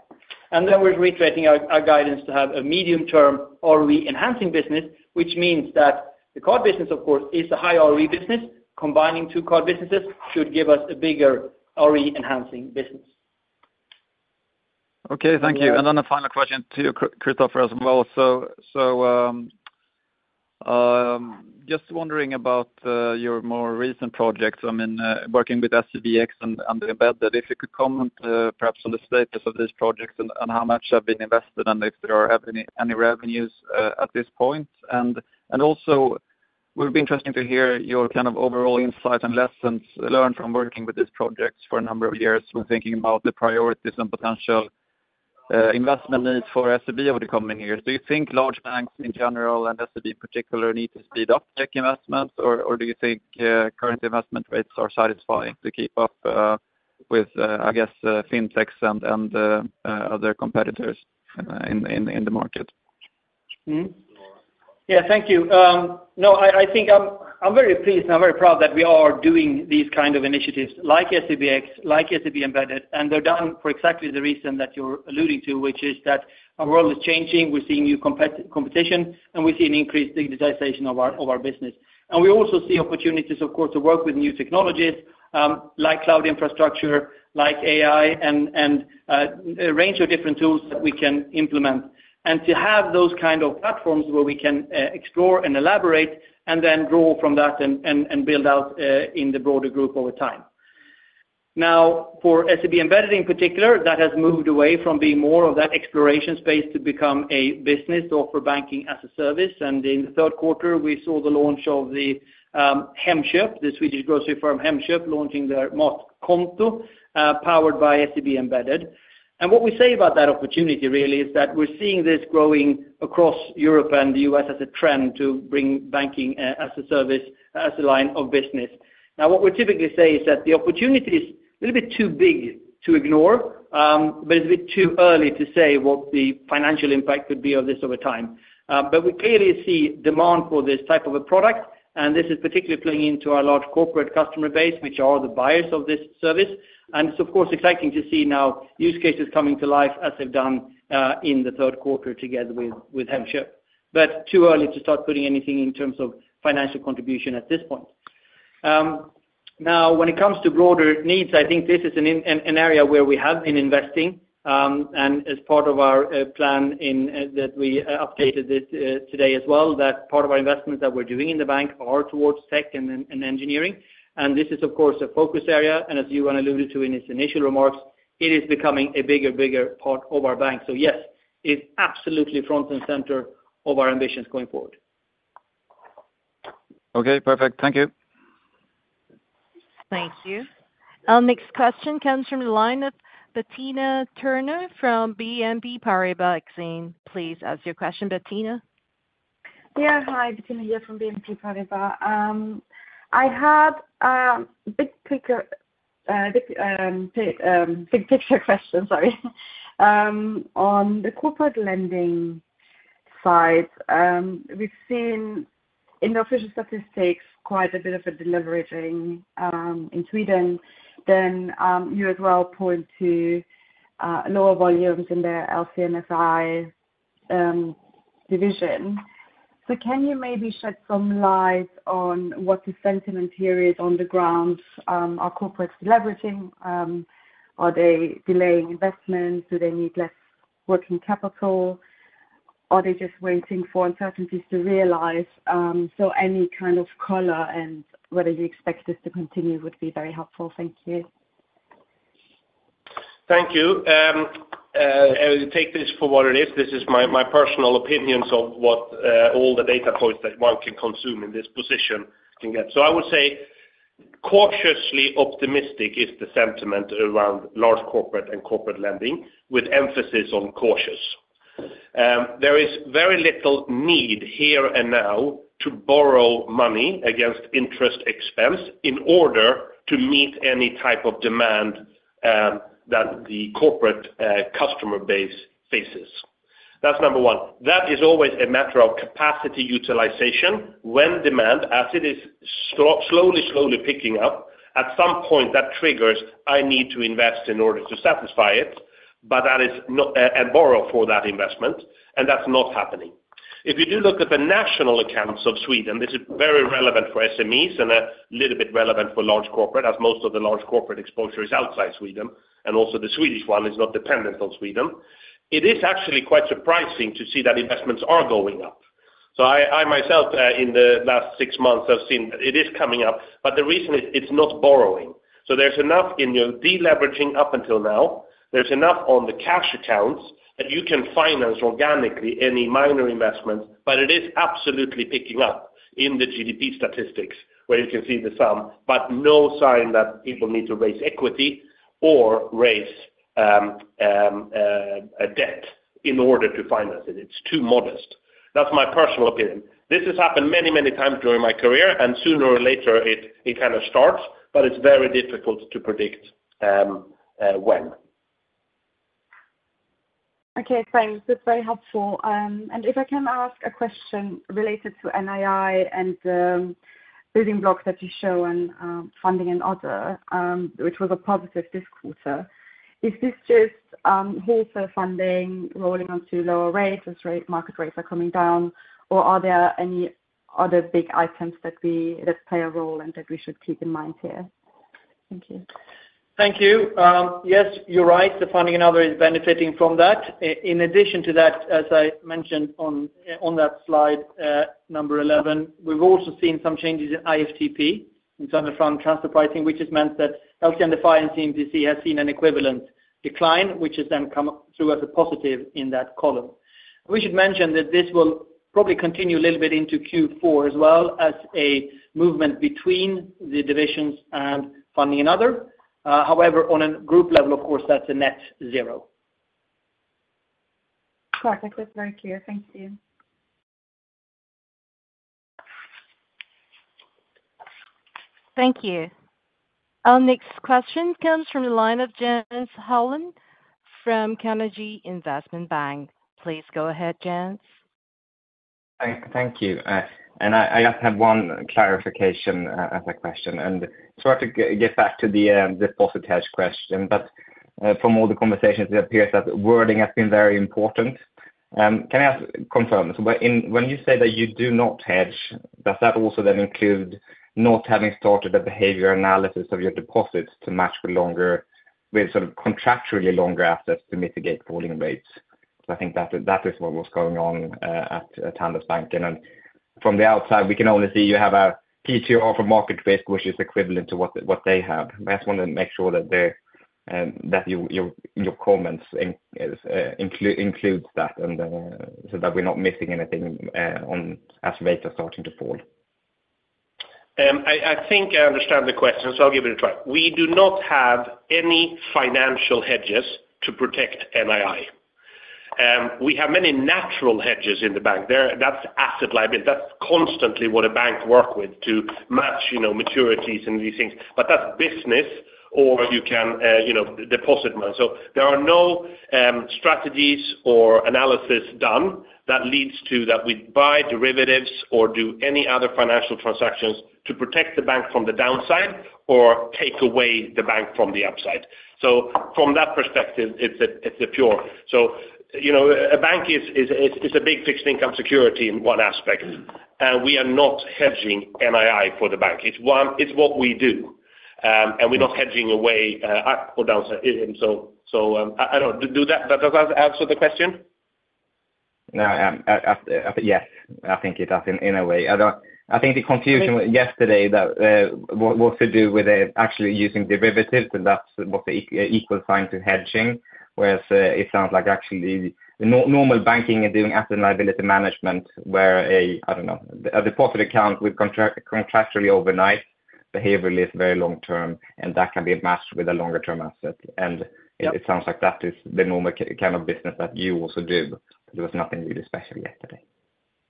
and then we're reiterating our guidance to have a medium-term ROE enhancing business, which means that the card business, of course, is a high ROE business. Combining two card businesses should give us a bigger ROE enhancing business.
Okay, thank you. And then a final question to Christoffer as well. Just wondering about your more recent projects. I mean, working with SEBx and Embedded. If you could comment, perhaps, on the status of these projects and how much have been invested, and if there are any revenues at this point? And also would be interesting to hear your kind of overall insight and lessons learned from working with these projects for a number of years, when thinking about the priorities and potential investment needs for SEB over the coming years. Do you think large banks in general and SEB in particular need to speed up tech investments, or do you think current investment rates are satisfying to keep up with, I guess, fintechs and other competitors in the market?
Mm-hmm. Yeah, thank you. No, I think I'm very pleased and I'm very proud that we are doing these kind of initiatives like SEBx, like SEB Embedded, and they're done for exactly the reason that you're alluding to, which is that our world is changing. We're seeing new competition, and we see an increased digitization of our business, and we also see opportunities, of course, to work with new technologies, like cloud infrastructure, like AI, and a range of different tools that we can implement, and to have those kind of platforms where we can explore and elaborate, and then grow from that, and build out in the broader group over time. Now, for SEB Embedded, in particular, that has moved away from being more of that exploration space to become a business or for banking as a service. And in the third quarter, we saw the launch of the Hemköp, the Swedish grocery firm, Hemköp, launching their Matkonto, powered by SEB Embedded. And what we say about that opportunity really, is that we're seeing this growing across Europe and the U.S. as a trend to bring banking as a service, as a line of business. Now, what we typically say is that the opportunity is a little bit too big to ignore, but it's a bit too early to say what the financial impact could be of this over time. But we clearly see demand for this type of a product, and this is particularly playing into our large corporate customer base, which are the buyers of this service. It's of course exciting to see now use cases coming to life as they've done in the third quarter together with Hemköp. But it's too early to start putting anything in terms of financial contribution at this point. Now, when it comes to broader needs, I think this is an area where we have been investing, and as part of our plan that we updated today as well, that part of our investments that we're doing in the bank are towards tech and engineering. And this is, of course, a focus area, and as Johan alluded to in his initial remarks, it is becoming a bigger, bigger part of our bank. So yes, it's absolutely front and center of our ambitions going forward.
Okay, perfect. Thank you.
Thank you. Our next question comes from the line of Bettina Turner from BNP Paribas Exane. Please ask your question, Bettina.
Yeah, hi, Bettina here from BNP Paribas. I have big picture question, sorry. On the corporate lending side, we've seen in the official statistics quite a bit of a deleveraging in Sweden. Then you as well point to lower volumes in the LCMSI division. So can you maybe shed some light on what the sentiment here is on the ground? Are corporates leveraging? Are they delaying investments? Do they need less working capital, or they're just waiting for uncertainties to realize? So any kind of color and whether you expect this to continue would be very helpful. Thank you.
Thank you. I'll take this for what it is. This is my personal opinions of what all the data points that one can consume in this position can get. So I would say, cautiously optimistic is the sentiment around large corporate and corporate lending, with emphasis on cautious. There is very little need here and now to borrow money against interest expense in order to meet any type of demand that the corporate customer base faces. That's number one. That is always a matter of capacity utilization when demand, as it is slowly picking up, at some point, that triggers, I need to invest in order to satisfy it, but that is, and borrow for that investment, and that's not happening. If you do look at the national accounts of Sweden, this is very relevant for SMEs and a little bit relevant for large corporate, as most of the large corporate exposure is outside Sweden, and also the Swedish one is not dependent on Sweden. It is actually quite surprising to see that investments are going up. So I myself, in the last six months, I've seen it is coming up, but the reason is, it's not borrowing. So there's enough in the deleveraging up until now. There's enough on the cash accounts that you can finance organically any minor investments, but it is absolutely picking up in the GDP statistics, where you can see the sum, but no sign that people need to raise equity or raise a debt....
in order to finance it, it's too modest. That's my personal opinion. This has happened many, many times during my career, and sooner or later it kind of starts, but it's very difficult to predict when.
Okay, thanks. That's very helpful, and if I can ask a question related to NII and building blocks that you show on funding and other, which was a positive this quarter. Is this just wholesale funding rolling onto lower rates as market rates are coming down? Or are there any other big items that play a role and that we should keep in mind here? Thank you.
Thank you. Yes, you're right, the funding and other is benefiting from that. In addition to that, as I mentioned on that slide number 11, we've also seen some changes in IFTP, internal fund transfer pricing, which has meant that LCL and the finance team DC has seen an equivalent decline, which has then come through as a positive in that column. We should mention that this will probably continue a little bit into Q4 as well as a movement between the divisions and funding and other. However, on a group level, of course, that's a net zero.
Perfect. That's very clear. Thank you.
Thank you. Our next question comes from the line of Jens Hallén from Kepler Cheuvreux. Please go ahead, Jens.
Thank you. And I just have one clarification as a question, and sorry to get back to the deposit hedge question, but from all the conversations, it appears that wording has been very important. Can I ask, confirm this? But when you say that you do not hedge, does that also then include not having started a behavior analysis of your deposits to match for longer, with sort of contractually longer assets to mitigate falling rates? So I think that is what was going on at Tandus Bank. And then from the outside, we can only see you have a Pillar 2 other market risk, which is equivalent to what they have. I just wanted to make sure that there, that your comments include that, and so that we're not missing anything on, as rates are starting to fall.
I think I understand the question, so I'll give it a try. We do not have any financial hedges to protect NII. We have many natural hedges in the bank. That's asset liability. That's constantly what a bank work with to match, you know, maturities and these things. But that's business or you can, you know, deposit money. So there are no strategies or analysis done that leads to, that we buy derivatives or do any other financial transactions to protect the bank from the downside or take away the bank from the upside. So from that perspective, it's a pure. So, you know, a bank is a big fixed income security in one aspect, and we are not hedging NII for the bank. It's what we do, and we're not hedging away, up or down. So, I don't do that. Does that answer the question?
No, yes, I think it does in, in a way. I don't-- I think the confusion yesterday that, what, what to do with, actually using derivatives, and that's what the equal sign to hedging, whereas, it sounds like actually the normal banking and doing asset and liability management, where, I don't know, a deposit account with contract, contractually overnight, behaviorally, it's very long term, and that can be matched with a longer-term asset. It sounds like that is the normal kind of business that you also do. There was nothing really special yesterday.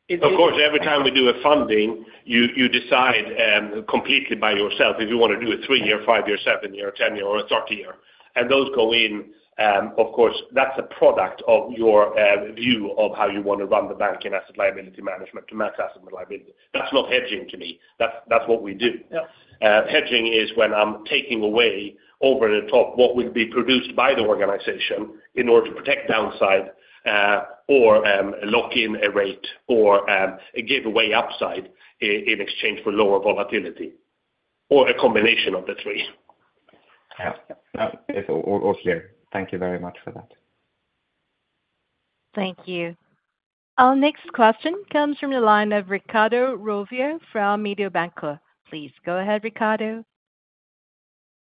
Of course, every time we do a funding, you decide completely by yourself if you want to do a three-year, five-year, seven-year, or 10-year, or a 30-year, and those go in, of course, that's a product of your view of how you want to run the bank and asset liability management to manage asset liability. That's not hedging to me. That's what we do. Hedging is when I'm taking away over the top what would be produced by the organization in order to protect downside, or lock in a rate, or give away upside in exchange for lower volatility, or a combination of the three.
Yeah. Yeah. It's all clear. Thank you very much for that.
Thank you. Our next question comes from the line of Riccardo Rovere from Mediobanca. Please go ahead, Riccardo.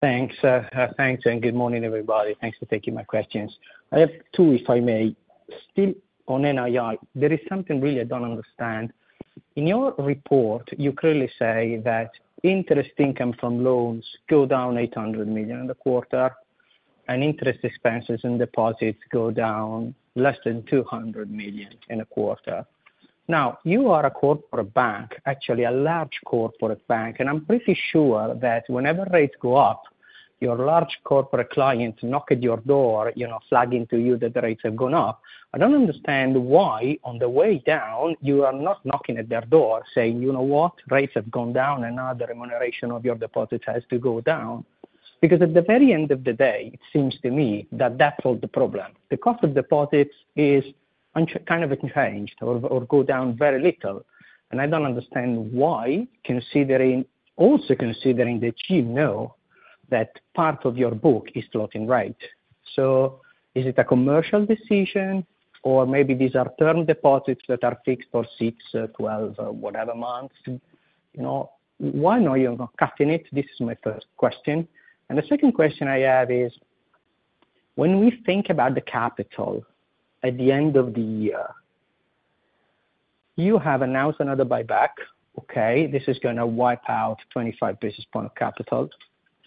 Thanks, thanks, and good morning, everybody. Thanks for taking my questions. I have two, if I may. Still on NII, there is something really I don't understand. In your report, you clearly say that interest income from loans go down 800 million in the quarter, and interest expenses and deposits go down less than 200 million in a quarter. Now, you are a corporate bank, actually a large corporate bank, and I'm pretty sure that whenever rates go up, your large corporate clients knock at your door, you know, flagging to you that the rates have gone up. I don't understand why, on the way down, you are not knocking at their door saying: "You know what? Rates have gone down, and now the remuneration of your deposits has to go down." Because at the very end of the day, it seems to me that that's all the problem. The cost of deposits is kind of unchanged or go down very little, and I don't understand why, considering, also considering that you know that part of your book is floating rate. So is it a commercial decision, or maybe these are term deposits that are fixed for six or 12 or whatever months? You know, why are you not cutting it? This is my first question. And the second question I have is, when we think about the capital at the end of the year... You have announced another buyback, okay? This is gonna wipe out2025 basis points of capital,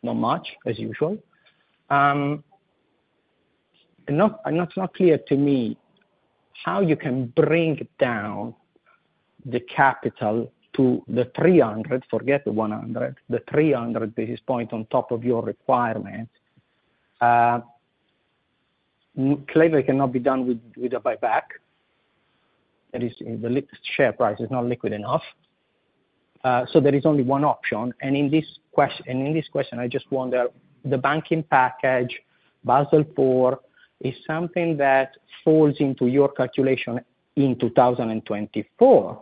not much, as usual. Not, and that's not clear to me how you can bring down the capital to the 300, forget the 100, the 300 basis points on top of your requirement. Clearly, it cannot be done with a buyback. That is, the share price is not liquid enough. So there is only one option, and in this question, I just wonder, the banking package, Basel IV, is something that falls into your calculation in 2024 ,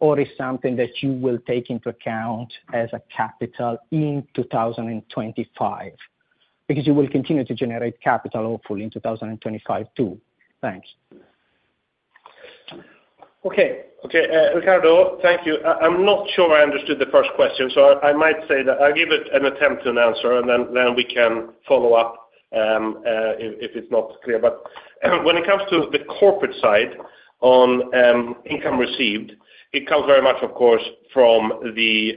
or is something that you will take into account as a capital in 2025? Because you will continue to generate capital hopefully in 2025, too. Thanks.
Okay. Okay, Riccardo, thank you. I'm not sure I understood the first question, so I might say that I'll give it an attempt to an answer, and then we can follow up, if it's not clear. But when it comes to the corporate side on income received, it comes very much, of course, from the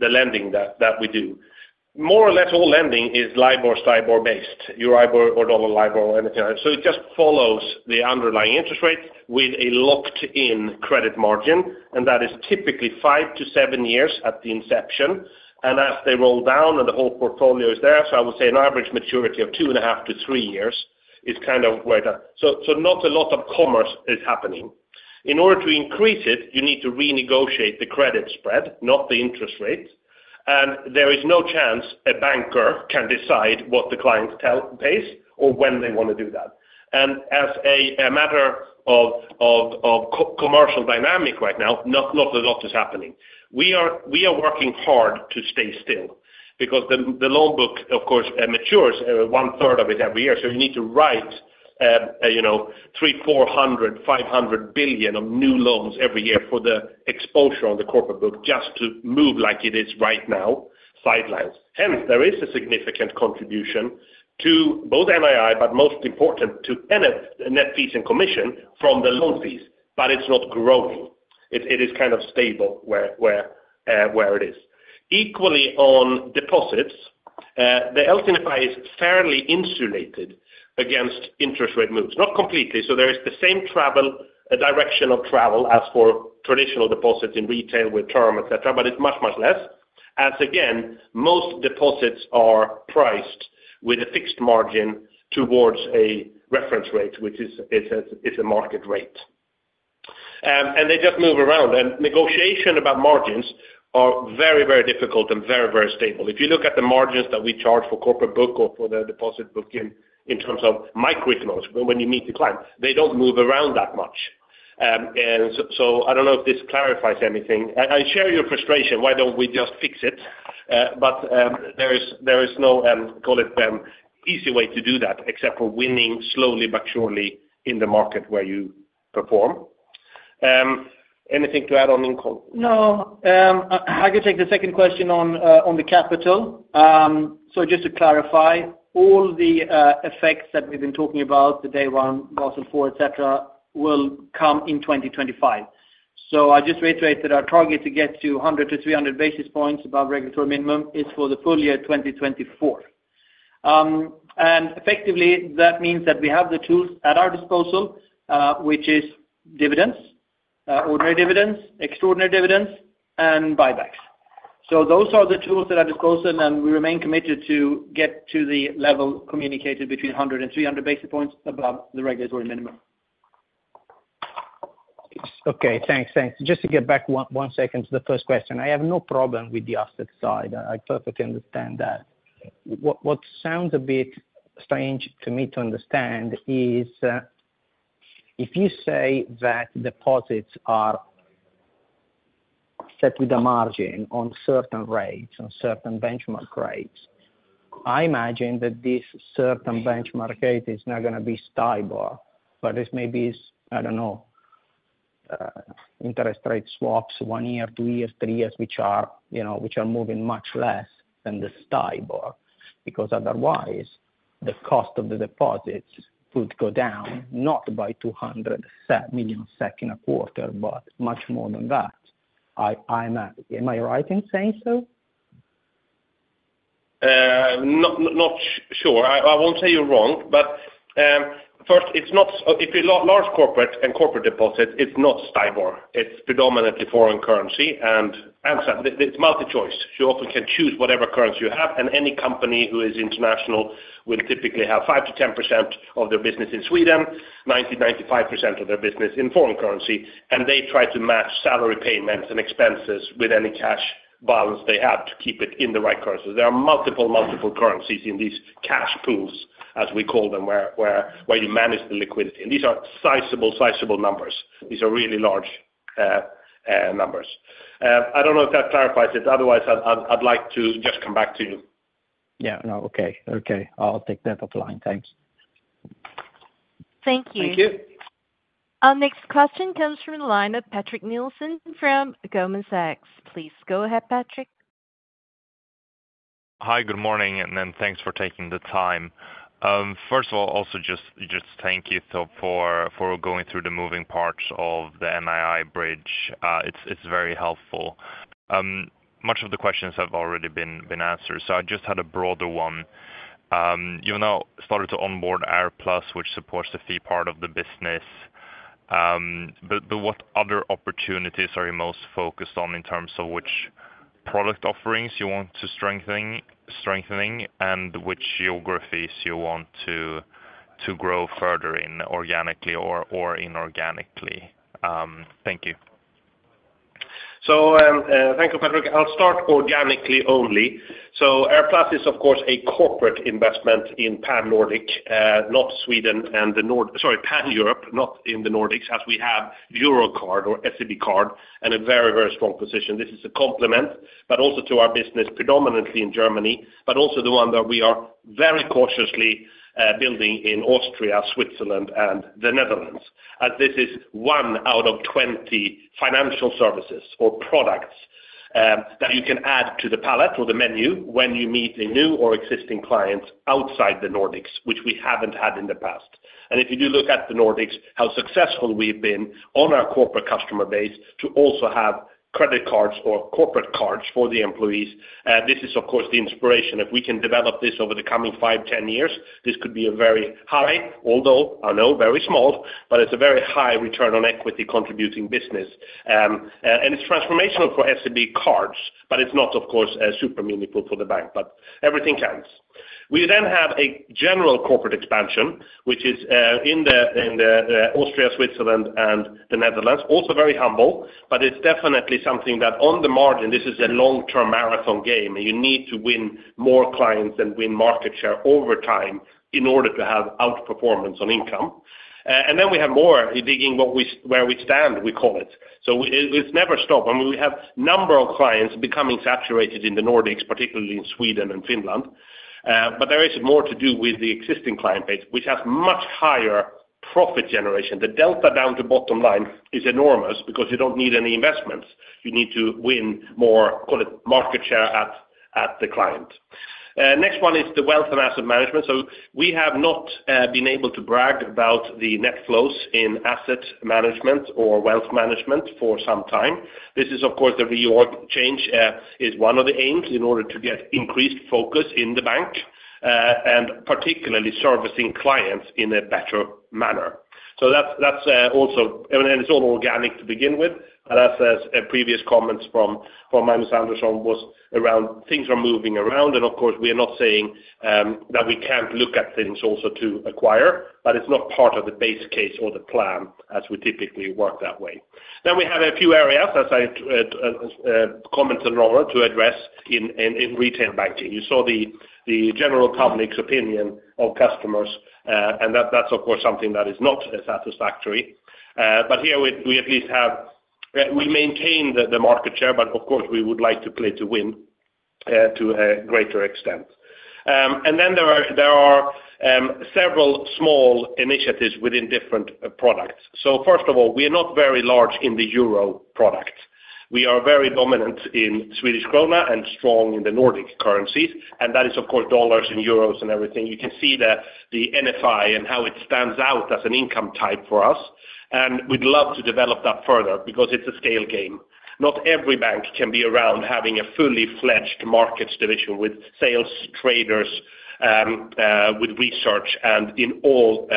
lending that we do. More or less, all lending is LIBOR, STIBOR based, Euro LIBOR or dollar LIBOR or anything like it. So it just follows the underlying interest rate with a locked-in credit margin, and that is typically 5-7 years at the inception, and as they roll down and the whole portfolio is there, so I would say an average maturity of 2.5-3 years is kind of where the... Not a lot of commerce is happening. In order to increase it, you need to renegotiate the credit spread, not the interest rate, and there is no chance a banker can decide what the client tells pays or when they wanna do that. As a matter of commercial dynamic right now, not a lot is happening. We are working hard to stay still because the loan book, of course, matures one-third of it every year, so you need to write, you know, SEK $300-500 billion of new loans every year for the exposure on the corporate book just to move like it is right now, sidelines. Hence, there is a significant contribution to both NII, but most important, to NF, net fees and commission from the loan fees, but it's not growing. It is kind of stable where it is. Equally on deposits, the LCFI is fairly insulated against interest rate moves, not completely, so there is the same travel, direction of travel as for traditional deposits in retail with term, et cetera, but it's much, much less. As again, most deposits are priced with a fixed margin towards a reference rate, which is, it's a market rate. And they just move around, and negotiation about margins are very, very difficult and very, very stable. If you look at the margins that we charge for corporate book or for the deposit book in terms of microeconomics, when you meet the client, they don't move around that much. And I don't know if this clarifies anything. I share your frustration, why don't we just fix it? But there is no call it easy way to do that, except for winning slowly but surely in the market where you perform. Anything to add on, Nicol?
No. I can take the second question on the capital. So just to clarify, all the effects that we've been talking about, the day one, Basel IV, etc, will come in 2025. So I just reiterate that our target to get to 100-300 basis points above regulatory minimum is for the full year 2024. And effectively, that means that we have the tools at our disposal, which is dividends, ordinary dividends, extraordinary dividends, and buybacks. So those are the tools at our disposal, and we remain committed to get to the level communicated between 100 and 300 basis points above the regulatory minimum.
Okay. Thanks. Thanks. Just to get back one second to the first question. I have no problem with the asset side. I perfectly understand that. What sounds a bit strange to me to understand is if you say that deposits are set with a margin on certain rates, on certain benchmark rates. I imagine that this certain benchmark rate is not gonna be STIBOR, but this may be, I don't know, interest rate swaps, one year, two years, three years, which are, you know, which are moving much less than the STIBOR. Because otherwise, the cost of the deposits would go down, not by $200 million SEK in a quarter, but much more than that. Am I right in saying so?
Not sure. I won't say you're wrong, but, first, it's not... If a large corporate deposit, it's not STIBOR, it's predominantly foreign currency, and so it's multi-choice. You often can choose whatever currency you have, and any company who is international will typically have 5-10% of their business in Sweden, 90-95% of their business in foreign currency, and they try to match salary payments and expenses with any cash balance they have to keep it in the right currency. There are multiple currencies in these cash pools, as we call them, where you manage the liquidity, and these are sizable numbers. These are really large numbers. I don't know if that clarifies it. Otherwise, I'd like to just come back to you.
Yeah. No. Okay, okay. I'll take that offline. Thanks.
Thank you. Our next question comes from the line of Patrik Nielsen from Goldman Sachs. Please go ahead, Patrik....
Hi, good morning, and then thanks for taking the time. First of all, also just thank you, so for going through the moving parts of the NII bridge. It's very helpful. Much of the questions have already been answered, so I just had a broader one. You now started to onboard AirPlus, which supports the fee part of the business, but what other opportunities are you most focused on in terms of which product offerings you want to strengthening, and which geographies you want to grow further in organically or inorganically? Thank you.
So, thank you, Patrik. I'll start organically only. So AirPlus is, of course, a corporate investment in Pan-Europe, not in the Nordics, as we have Eurocard or SEB Card, and a very, very strong position. This is a complement, but also to our business, predominantly in Germany, but also the one that we are very cautiously building in Austria, Switzerland, and the Netherlands. As this is one out of 20 financial services or products that you can add to the palette or the menu when you meet a new or existing client outside the Nordics, which we haven't had in the past. And if you do look at the Nordics, how successful we've been on our corporate customer base to also have credit cards or corporate cards for the employees, this is, of course, the inspiration. If we can develop this over the coming five, 10 years, this could be a very high, although I know very small, but it's a very high return on equity contributing business. And it's transformational for SEB cards, but it's not, of course, super meaningful for the bank, but everything counts. We then have a general corporate expansion, which is in the Austria, Switzerland, and the Netherlands. Also very humble, but it's definitely something that on the margin, this is a long-term marathon game. You need to win more clients and win market share over time in order to have outperformance on income. And then we have more digging where we stand, we call it. So it's never stop. I mean, we have number of clients becoming saturated in the Nordics, particularly in Sweden and Finland, but there is more to do with the existing client base, which has much higher profit generation. The delta down to bottom line is enormous because you don't need any investments. You need to win more, call it, market share at the client. Next one is the wealth and asset management. So we have not been able to brag about the net flows in asset management or wealth management for some time. This is, of course, the reorg change is one of the aims in order to get increased focus in the bank, and particularly servicing clients in a better manner. So that's also, I mean, and it's all organic to begin with, and as a previous comments from Magnus Andersson was around, things are moving around, and of course, we are not saying that we can't look at things also to acquire, but it's not part of the base case or the plan as we typically work that way. Then we have a few areas, as I commented earlier, to address in retail banking. You saw the general public's opinion of customers, and that's, of course, something that is not as satisfactory. But here we at least have we maintain the market share, but of course, we would like to play to win to a greater extent. And then there are several small initiatives within different products. First of all, we are not very large in the Euro product. We are very dominant in Swedish krona and strong in the Nordic currencies, and that is, of course, dollars and euros and everything. You can see the NFI and how it stands out as an income type for us, and we'd love to develop that further because it's a scale game. Not every bank can be around having a fully-fledged markets division with sales, traders, with research and in all,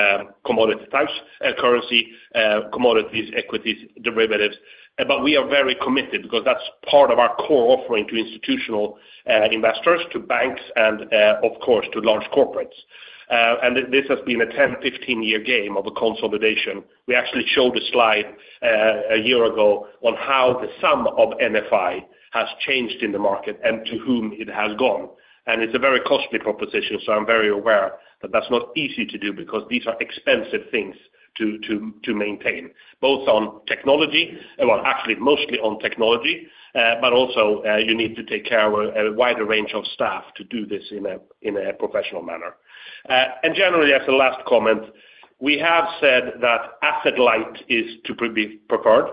commodity types, currency, commodities, equities, derivatives. But we are very committed because that's part of our core offering to institutional investors, to banks, and, of course, to large corporates. This has been a 10-15-year game of a consolidation. We actually showed a slide a year ago on how the sum of NFI has changed in the market and to whom it has gone, and it's a very costly proposition, so I'm very aware that that's not easy to do because these are expensive things to maintain, both on technology, well, actually, mostly on technology, but also you need to take care of a wider range of staff to do this in a professional manner. And generally, as the last comment, we have said that asset light is to be preferred,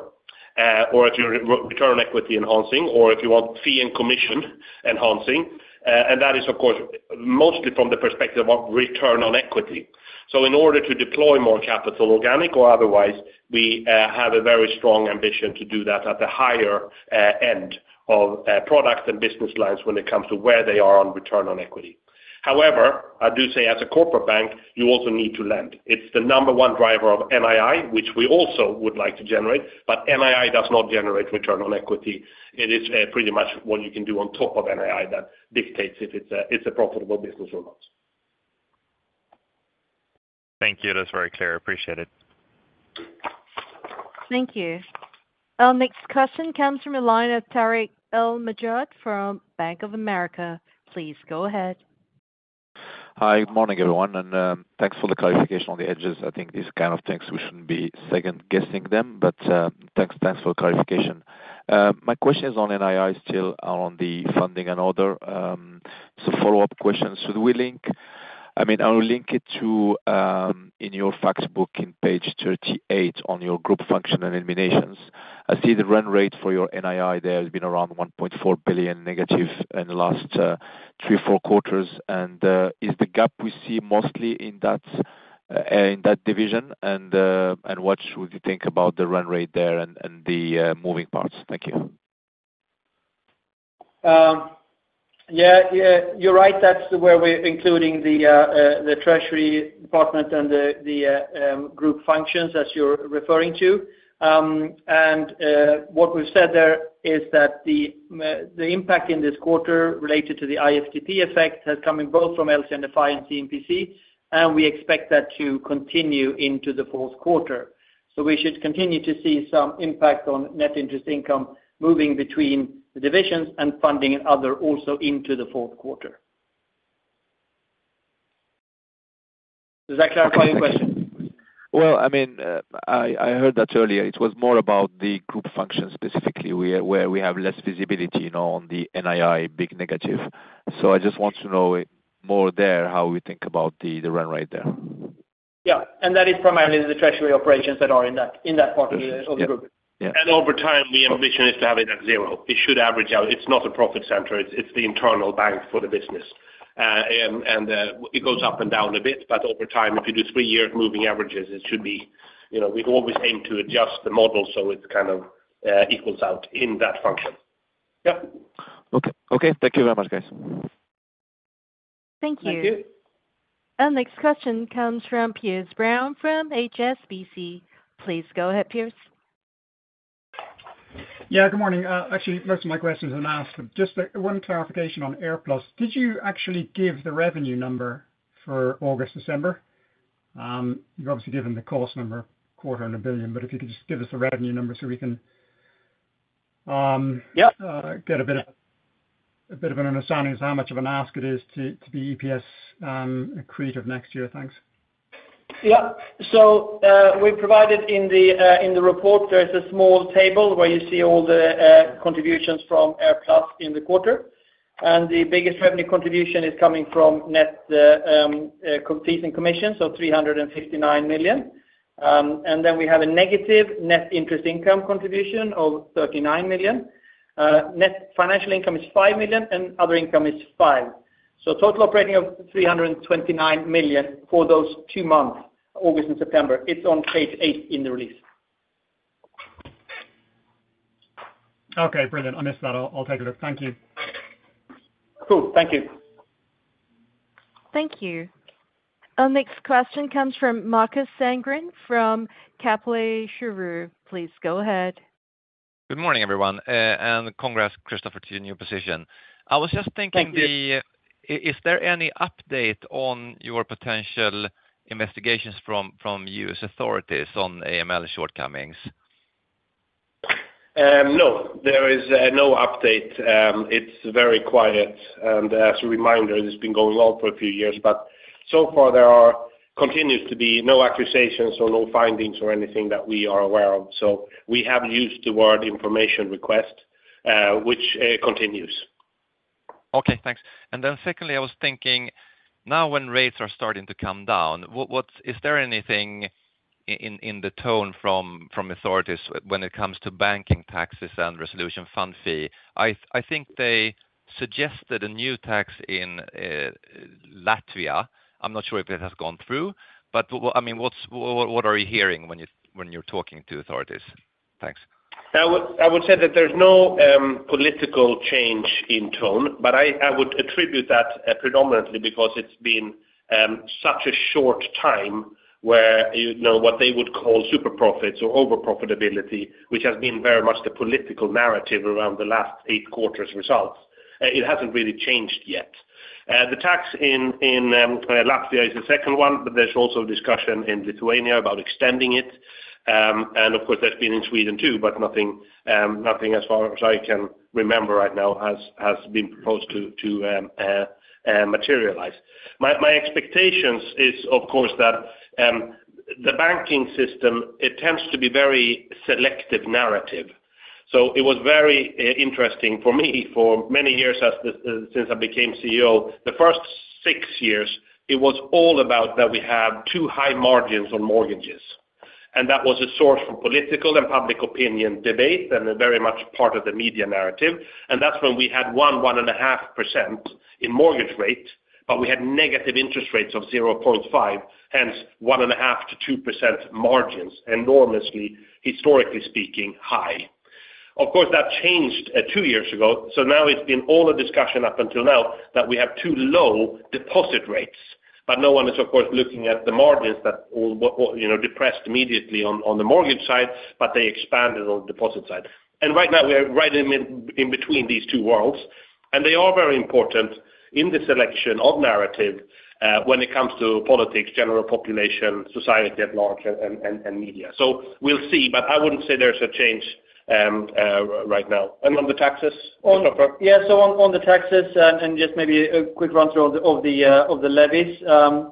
or if you return on equity enhancing, or if you want fee and commission enhancing, and that is, of course, mostly from the perspective of return on equity. So in order to deploy more capital, organic or otherwise, we have a very strong ambition to do that at the higher end of products and business lines when it comes to where they are on return on equity. However, I do say as a corporate bank, you also need to lend. It's the number one driver of NII, which we also would like to generate, but NII does not generate return on equity. It is pretty much what you can do on top of NII that dictates if it's a profitable business or not.
Thank you. That's very clear. Appreciate it.
Thank you. Our next question comes from the line of Tarik El Mejjad from Bank of America. Please go ahead.
Hi, good morning, everyone, and thanks for the clarification on the hedges. I think these kind of things, we shouldn't be second-guessing them, but thanks for the clarification. My question is on NII, still on the funding and other, so follow-up question, should we link it? I mean, I will link it to in your fact book in page 38 on your group function and eliminations. I see the run rate for your NII there has been around -SEK $1.4 billion in the last three, four quarters, and is the gap we see mostly in that in that division? And what should we think about the run rate there and the moving parts? Thank you.
Yeah, yeah, you're right. That's where we're including the treasury department and the group functions as you're referring to, and what we've said there is that the impact in this quarter related to the IFTP effect has come both from LCNFI and C&PC, and we expect that to continue into the fourth quarter, so we should continue to see some impact on net interest income moving between the divisions and funding and other also into the fourth quarter. Does that clarify your question?
I mean, I heard that earlier. It was more about the group function, specifically, where we have less visibility, you know, on the NII, big, negative. So I just want to know more there, how we think about the run rate there.
Yeah. And that is primarily the treasury operations that are in that part of the group.
Yeah. And over time, the ambition is to have it at zero. It should average out. It's not a profit center, it's the internal bank for the business. And it goes up and down a bit, but over time, if you do three years moving averages, it should be... You know, we always aim to adjust the model, so it's kind of equals out in that function.
Okay. Okay, thank you very much, guys.
Thank you.
Thank you.
Our next question comes from Piers Brown from HSBC. Please go ahead, Piers.
Yeah, good morning. Actually, most of my questions have been asked, but just one clarification on AirPlus. Did you actually give the revenue number for August, December? You've obviously given the cost number, quarter on a billion, but if you could just give us the revenue number so we can,... get a bit of an understanding of how much of an ask it is to be EPS creative next year. Thanks.
Yeah. So, we provided in the report, there is a small table where you see all the contributions from AirPlus in the quarter, and the biggest revenue contribution is coming from net fees and commissions, so SEK $359 million. And then we have a negative net interest income contribution of SEK $39 million. Net financial income is SEK $5 million, and other income is SEK $5 million. So total operating of SEK $329 million for those two months, August and September. It's on page eight in the release.
Okay, brilliant. I missed that. I'll, I'll take a look. Thank you.
Cool. Thank you.
Thank you. Our next question comes from Marcus Sangren, from Kepler Cheuvreux. Please go ahead.
Good morning, everyone, and congrats, Christoffer, to your new position.
Thank you.
I was just thinking, is there any update on your potential investigations from U.S. authorities on AML shortcomings?
No, there is no update. It's very quiet, and as a reminder, it's been going on for a few years, but so far there continues to be no accusations or no findings or anything that we are aware of. So we have used the word information request, which continues.
Okay, thanks. And then secondly, I was thinking, now when rates are starting to come down, what is there anything in the tone from authorities when it comes to banking taxes and resolution fund fee? I think they suggested a new tax in Latvia. I'm not sure if it has gone through, but I mean, what are you hearing when you're talking to authorities? Thanks.
I would, I would say that there's no political change in tone, but I, I would attribute that predominantly because it's been such a short time where, you know, what they would call super profits or over profitability, which has been very much the political narrative around the last eight quarters results. It hasn't really changed yet. The tax in Latvia is the second one, but there's also discussion in Lithuania about extending it. And of course, that's been in Sweden, too, but nothing, as far as I can remember right now, has been proposed to materialize. My expectations is, of course, that the banking system, it tends to be very selective narrative. So it was very interesting for me for many years as the, since I became CEO. The first six years, it was all about that we have too high margins on mortgages, and that was a source for political and public opinion debate and a very much part of the media narrative, and that's when we had 1, 1.5% in mortgage rate, but we had negative interest rates of 0.5, hence 1.5-2% margins, enormously, historically speaking, high. Of course, that changed two years ago, so now it's been all the discussion up until now that we have too low deposit rates, but no one is, of course, looking at the margins that, you know, depressed immediately on the mortgage side, but they expanded on the deposit side. Right now we are right in between these two worlds, and they are very important in the selection of narrative, when it comes to politics, general population, society at large, and media. So we'll see, but I wouldn't say there's a change, right now. And on the taxes, Christoffer?
Yeah, so on the taxes, and just maybe a quick run-through of the levies.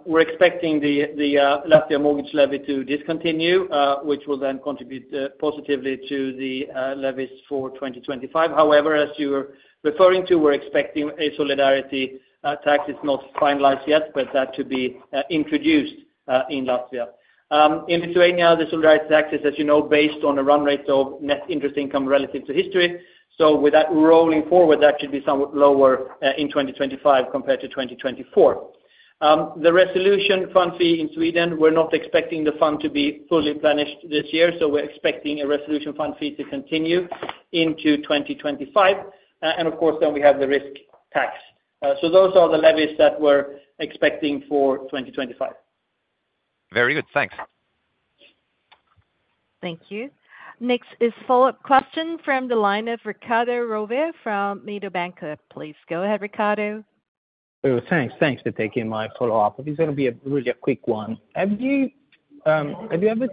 We're expecting the Latvia mortgage levy to discontinue, which will then contribute positively to the levies for 2025. However, as you were referring to, we're expecting a solidarity tax. It's not finalized yet, but that to be introduced in Latvia. In Lithuania, the solidarity tax is, as you know, based on a run rate of net interest income relative to history. So with that rolling forward, that should be somewhat lower in 2025 compared to 2024. The resolution fund fee in Sweden, we're not expecting the fund to be fully replenished this year, so we're expecting a resolution fund fee to continue into 2025. And of course, then we have the risk tax. So those are the levies that we're expecting for 2025.
Very good. Thanks. Thank you. Next is follow-up question from the line of Riccardo Rovere from Mediobanca. Please go ahead, Riccardo.
Oh, thanks. Thanks for taking my follow-up. It's gonna be a really quick one. Have you ever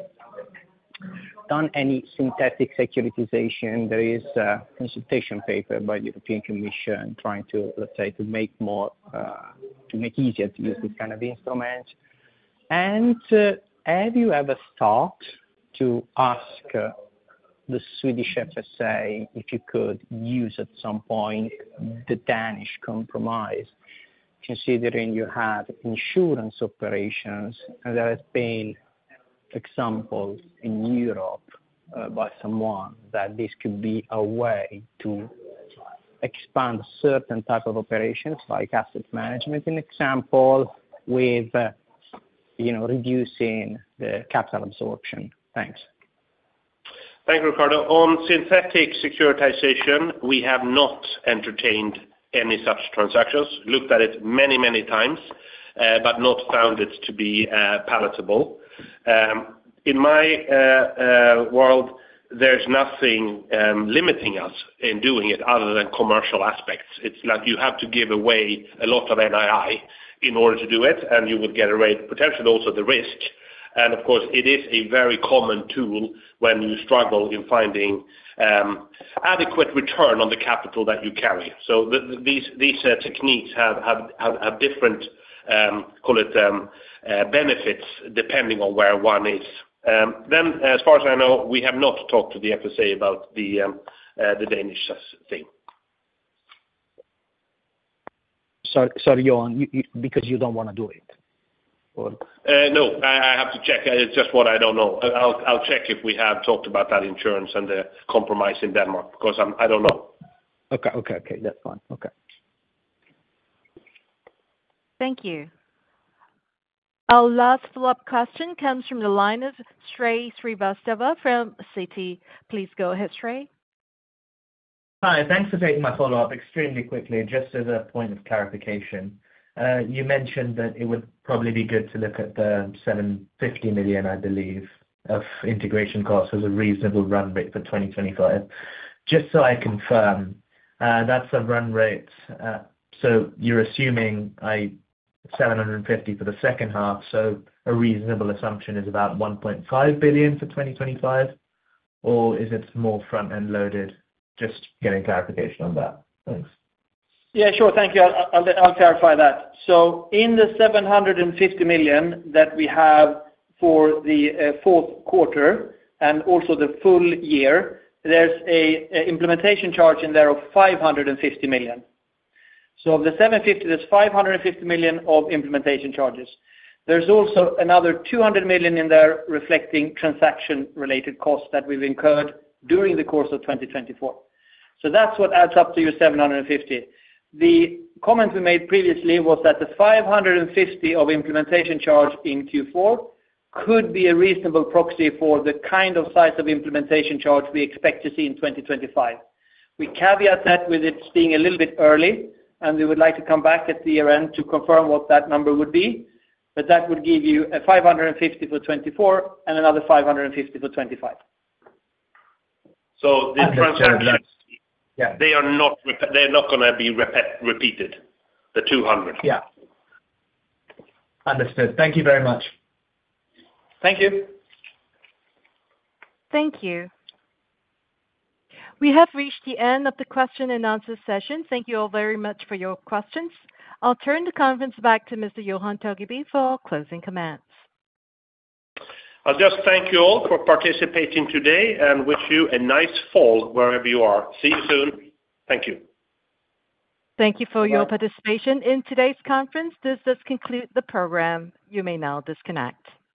done any synthetic securitization? There is a consultation paper by the European Commission trying to, let's say, make it easier to use this kind of instrument. And have you ever thought to ask the Swedish FSA if you could use, at some point, the Danish compromise, considering you have insurance operations? And there has been examples in Europe by someone that this could be a way to expand certain type of operations, like asset management, an example, with you know, reducing the capital absorption. Thanks.
Thank you, Riccardo. On synthetic securitization, we have not entertained any such transactions. Looked at it many, many times, but not found it to be palatable. In my world, there's nothing limiting us in doing it other than commercial aspects. It's like you have to give away a lot of NII in order to do it, and you would get a rate, potentially also the risk. And of course, it is a very common tool when you struggle in finding adequate return on the capital that you carry. So these techniques have different, call it, benefits, depending on where one is. Then, as far as I know, we have not talked to the FSA about the Danish thing.
Sorry, sorry, Johan. Because you don't wanna do it, or?
No, I have to check. It's just what I don't know. I'll check if we have talked about that insurance and the Danish compromise, because I don't know.
Okay, okay, okay. That's fine. Okay.
Thank you. Our last follow-up question comes from the line of Shrey Srivastava from Citi. Please go ahead, Shrey.
Hi, thanks for taking my follow-up. Extremely quickly, just as a point of clarification, you mentioned that it would probably be good to look at the SEK $750 million, I believe, of integration costs as a reasonable run rate for 2025. Just so I confirm, that's a run rate, so you're assuming seven hundred and fifty for the second half, so a reasonable assumption is about SEK $1.5 billion for 2025, or is it more front-end loaded? Just getting clarification on that. Thanks.
Yeah, sure. Thank you. I'll clarify that. So in the SEK $750 million that we have for the fourth quarter and also the full year, there's a implementation charge in there of SEK $550 million. So of the $750, there's SEK $550 million of implementation charges. There's also another SEK $200 million in there reflecting transaction-related costs that we've incurred during the course of 2024. So that's what adds up to your SEK $750 million. The comment we made previously was that the 550 of implementation charge in Q4 could be a reasonable proxy for the kind of size of implementation charge we expect to see in 2025. We caveat that with it's being a little bit early, and we would like to come back at the year-end to confirm what that number would be, but that would give you 550 for 2024 and another 550 for 2025. They're not gonna be repeated, the two hundred?
Understood. Thank you very much.
Thank you.
Thank you. We have reached the end of the question and answer session. Thank you all very much for your questions. I'll turn the conference back to Mr. Johan Torgeby for closing comments.
I'll just thank you all for participating today and wish you a nice fall wherever you are. See you soon. Thank you.
Thank you for your participation in today's conference. This does conclude the program. You may now disconnect.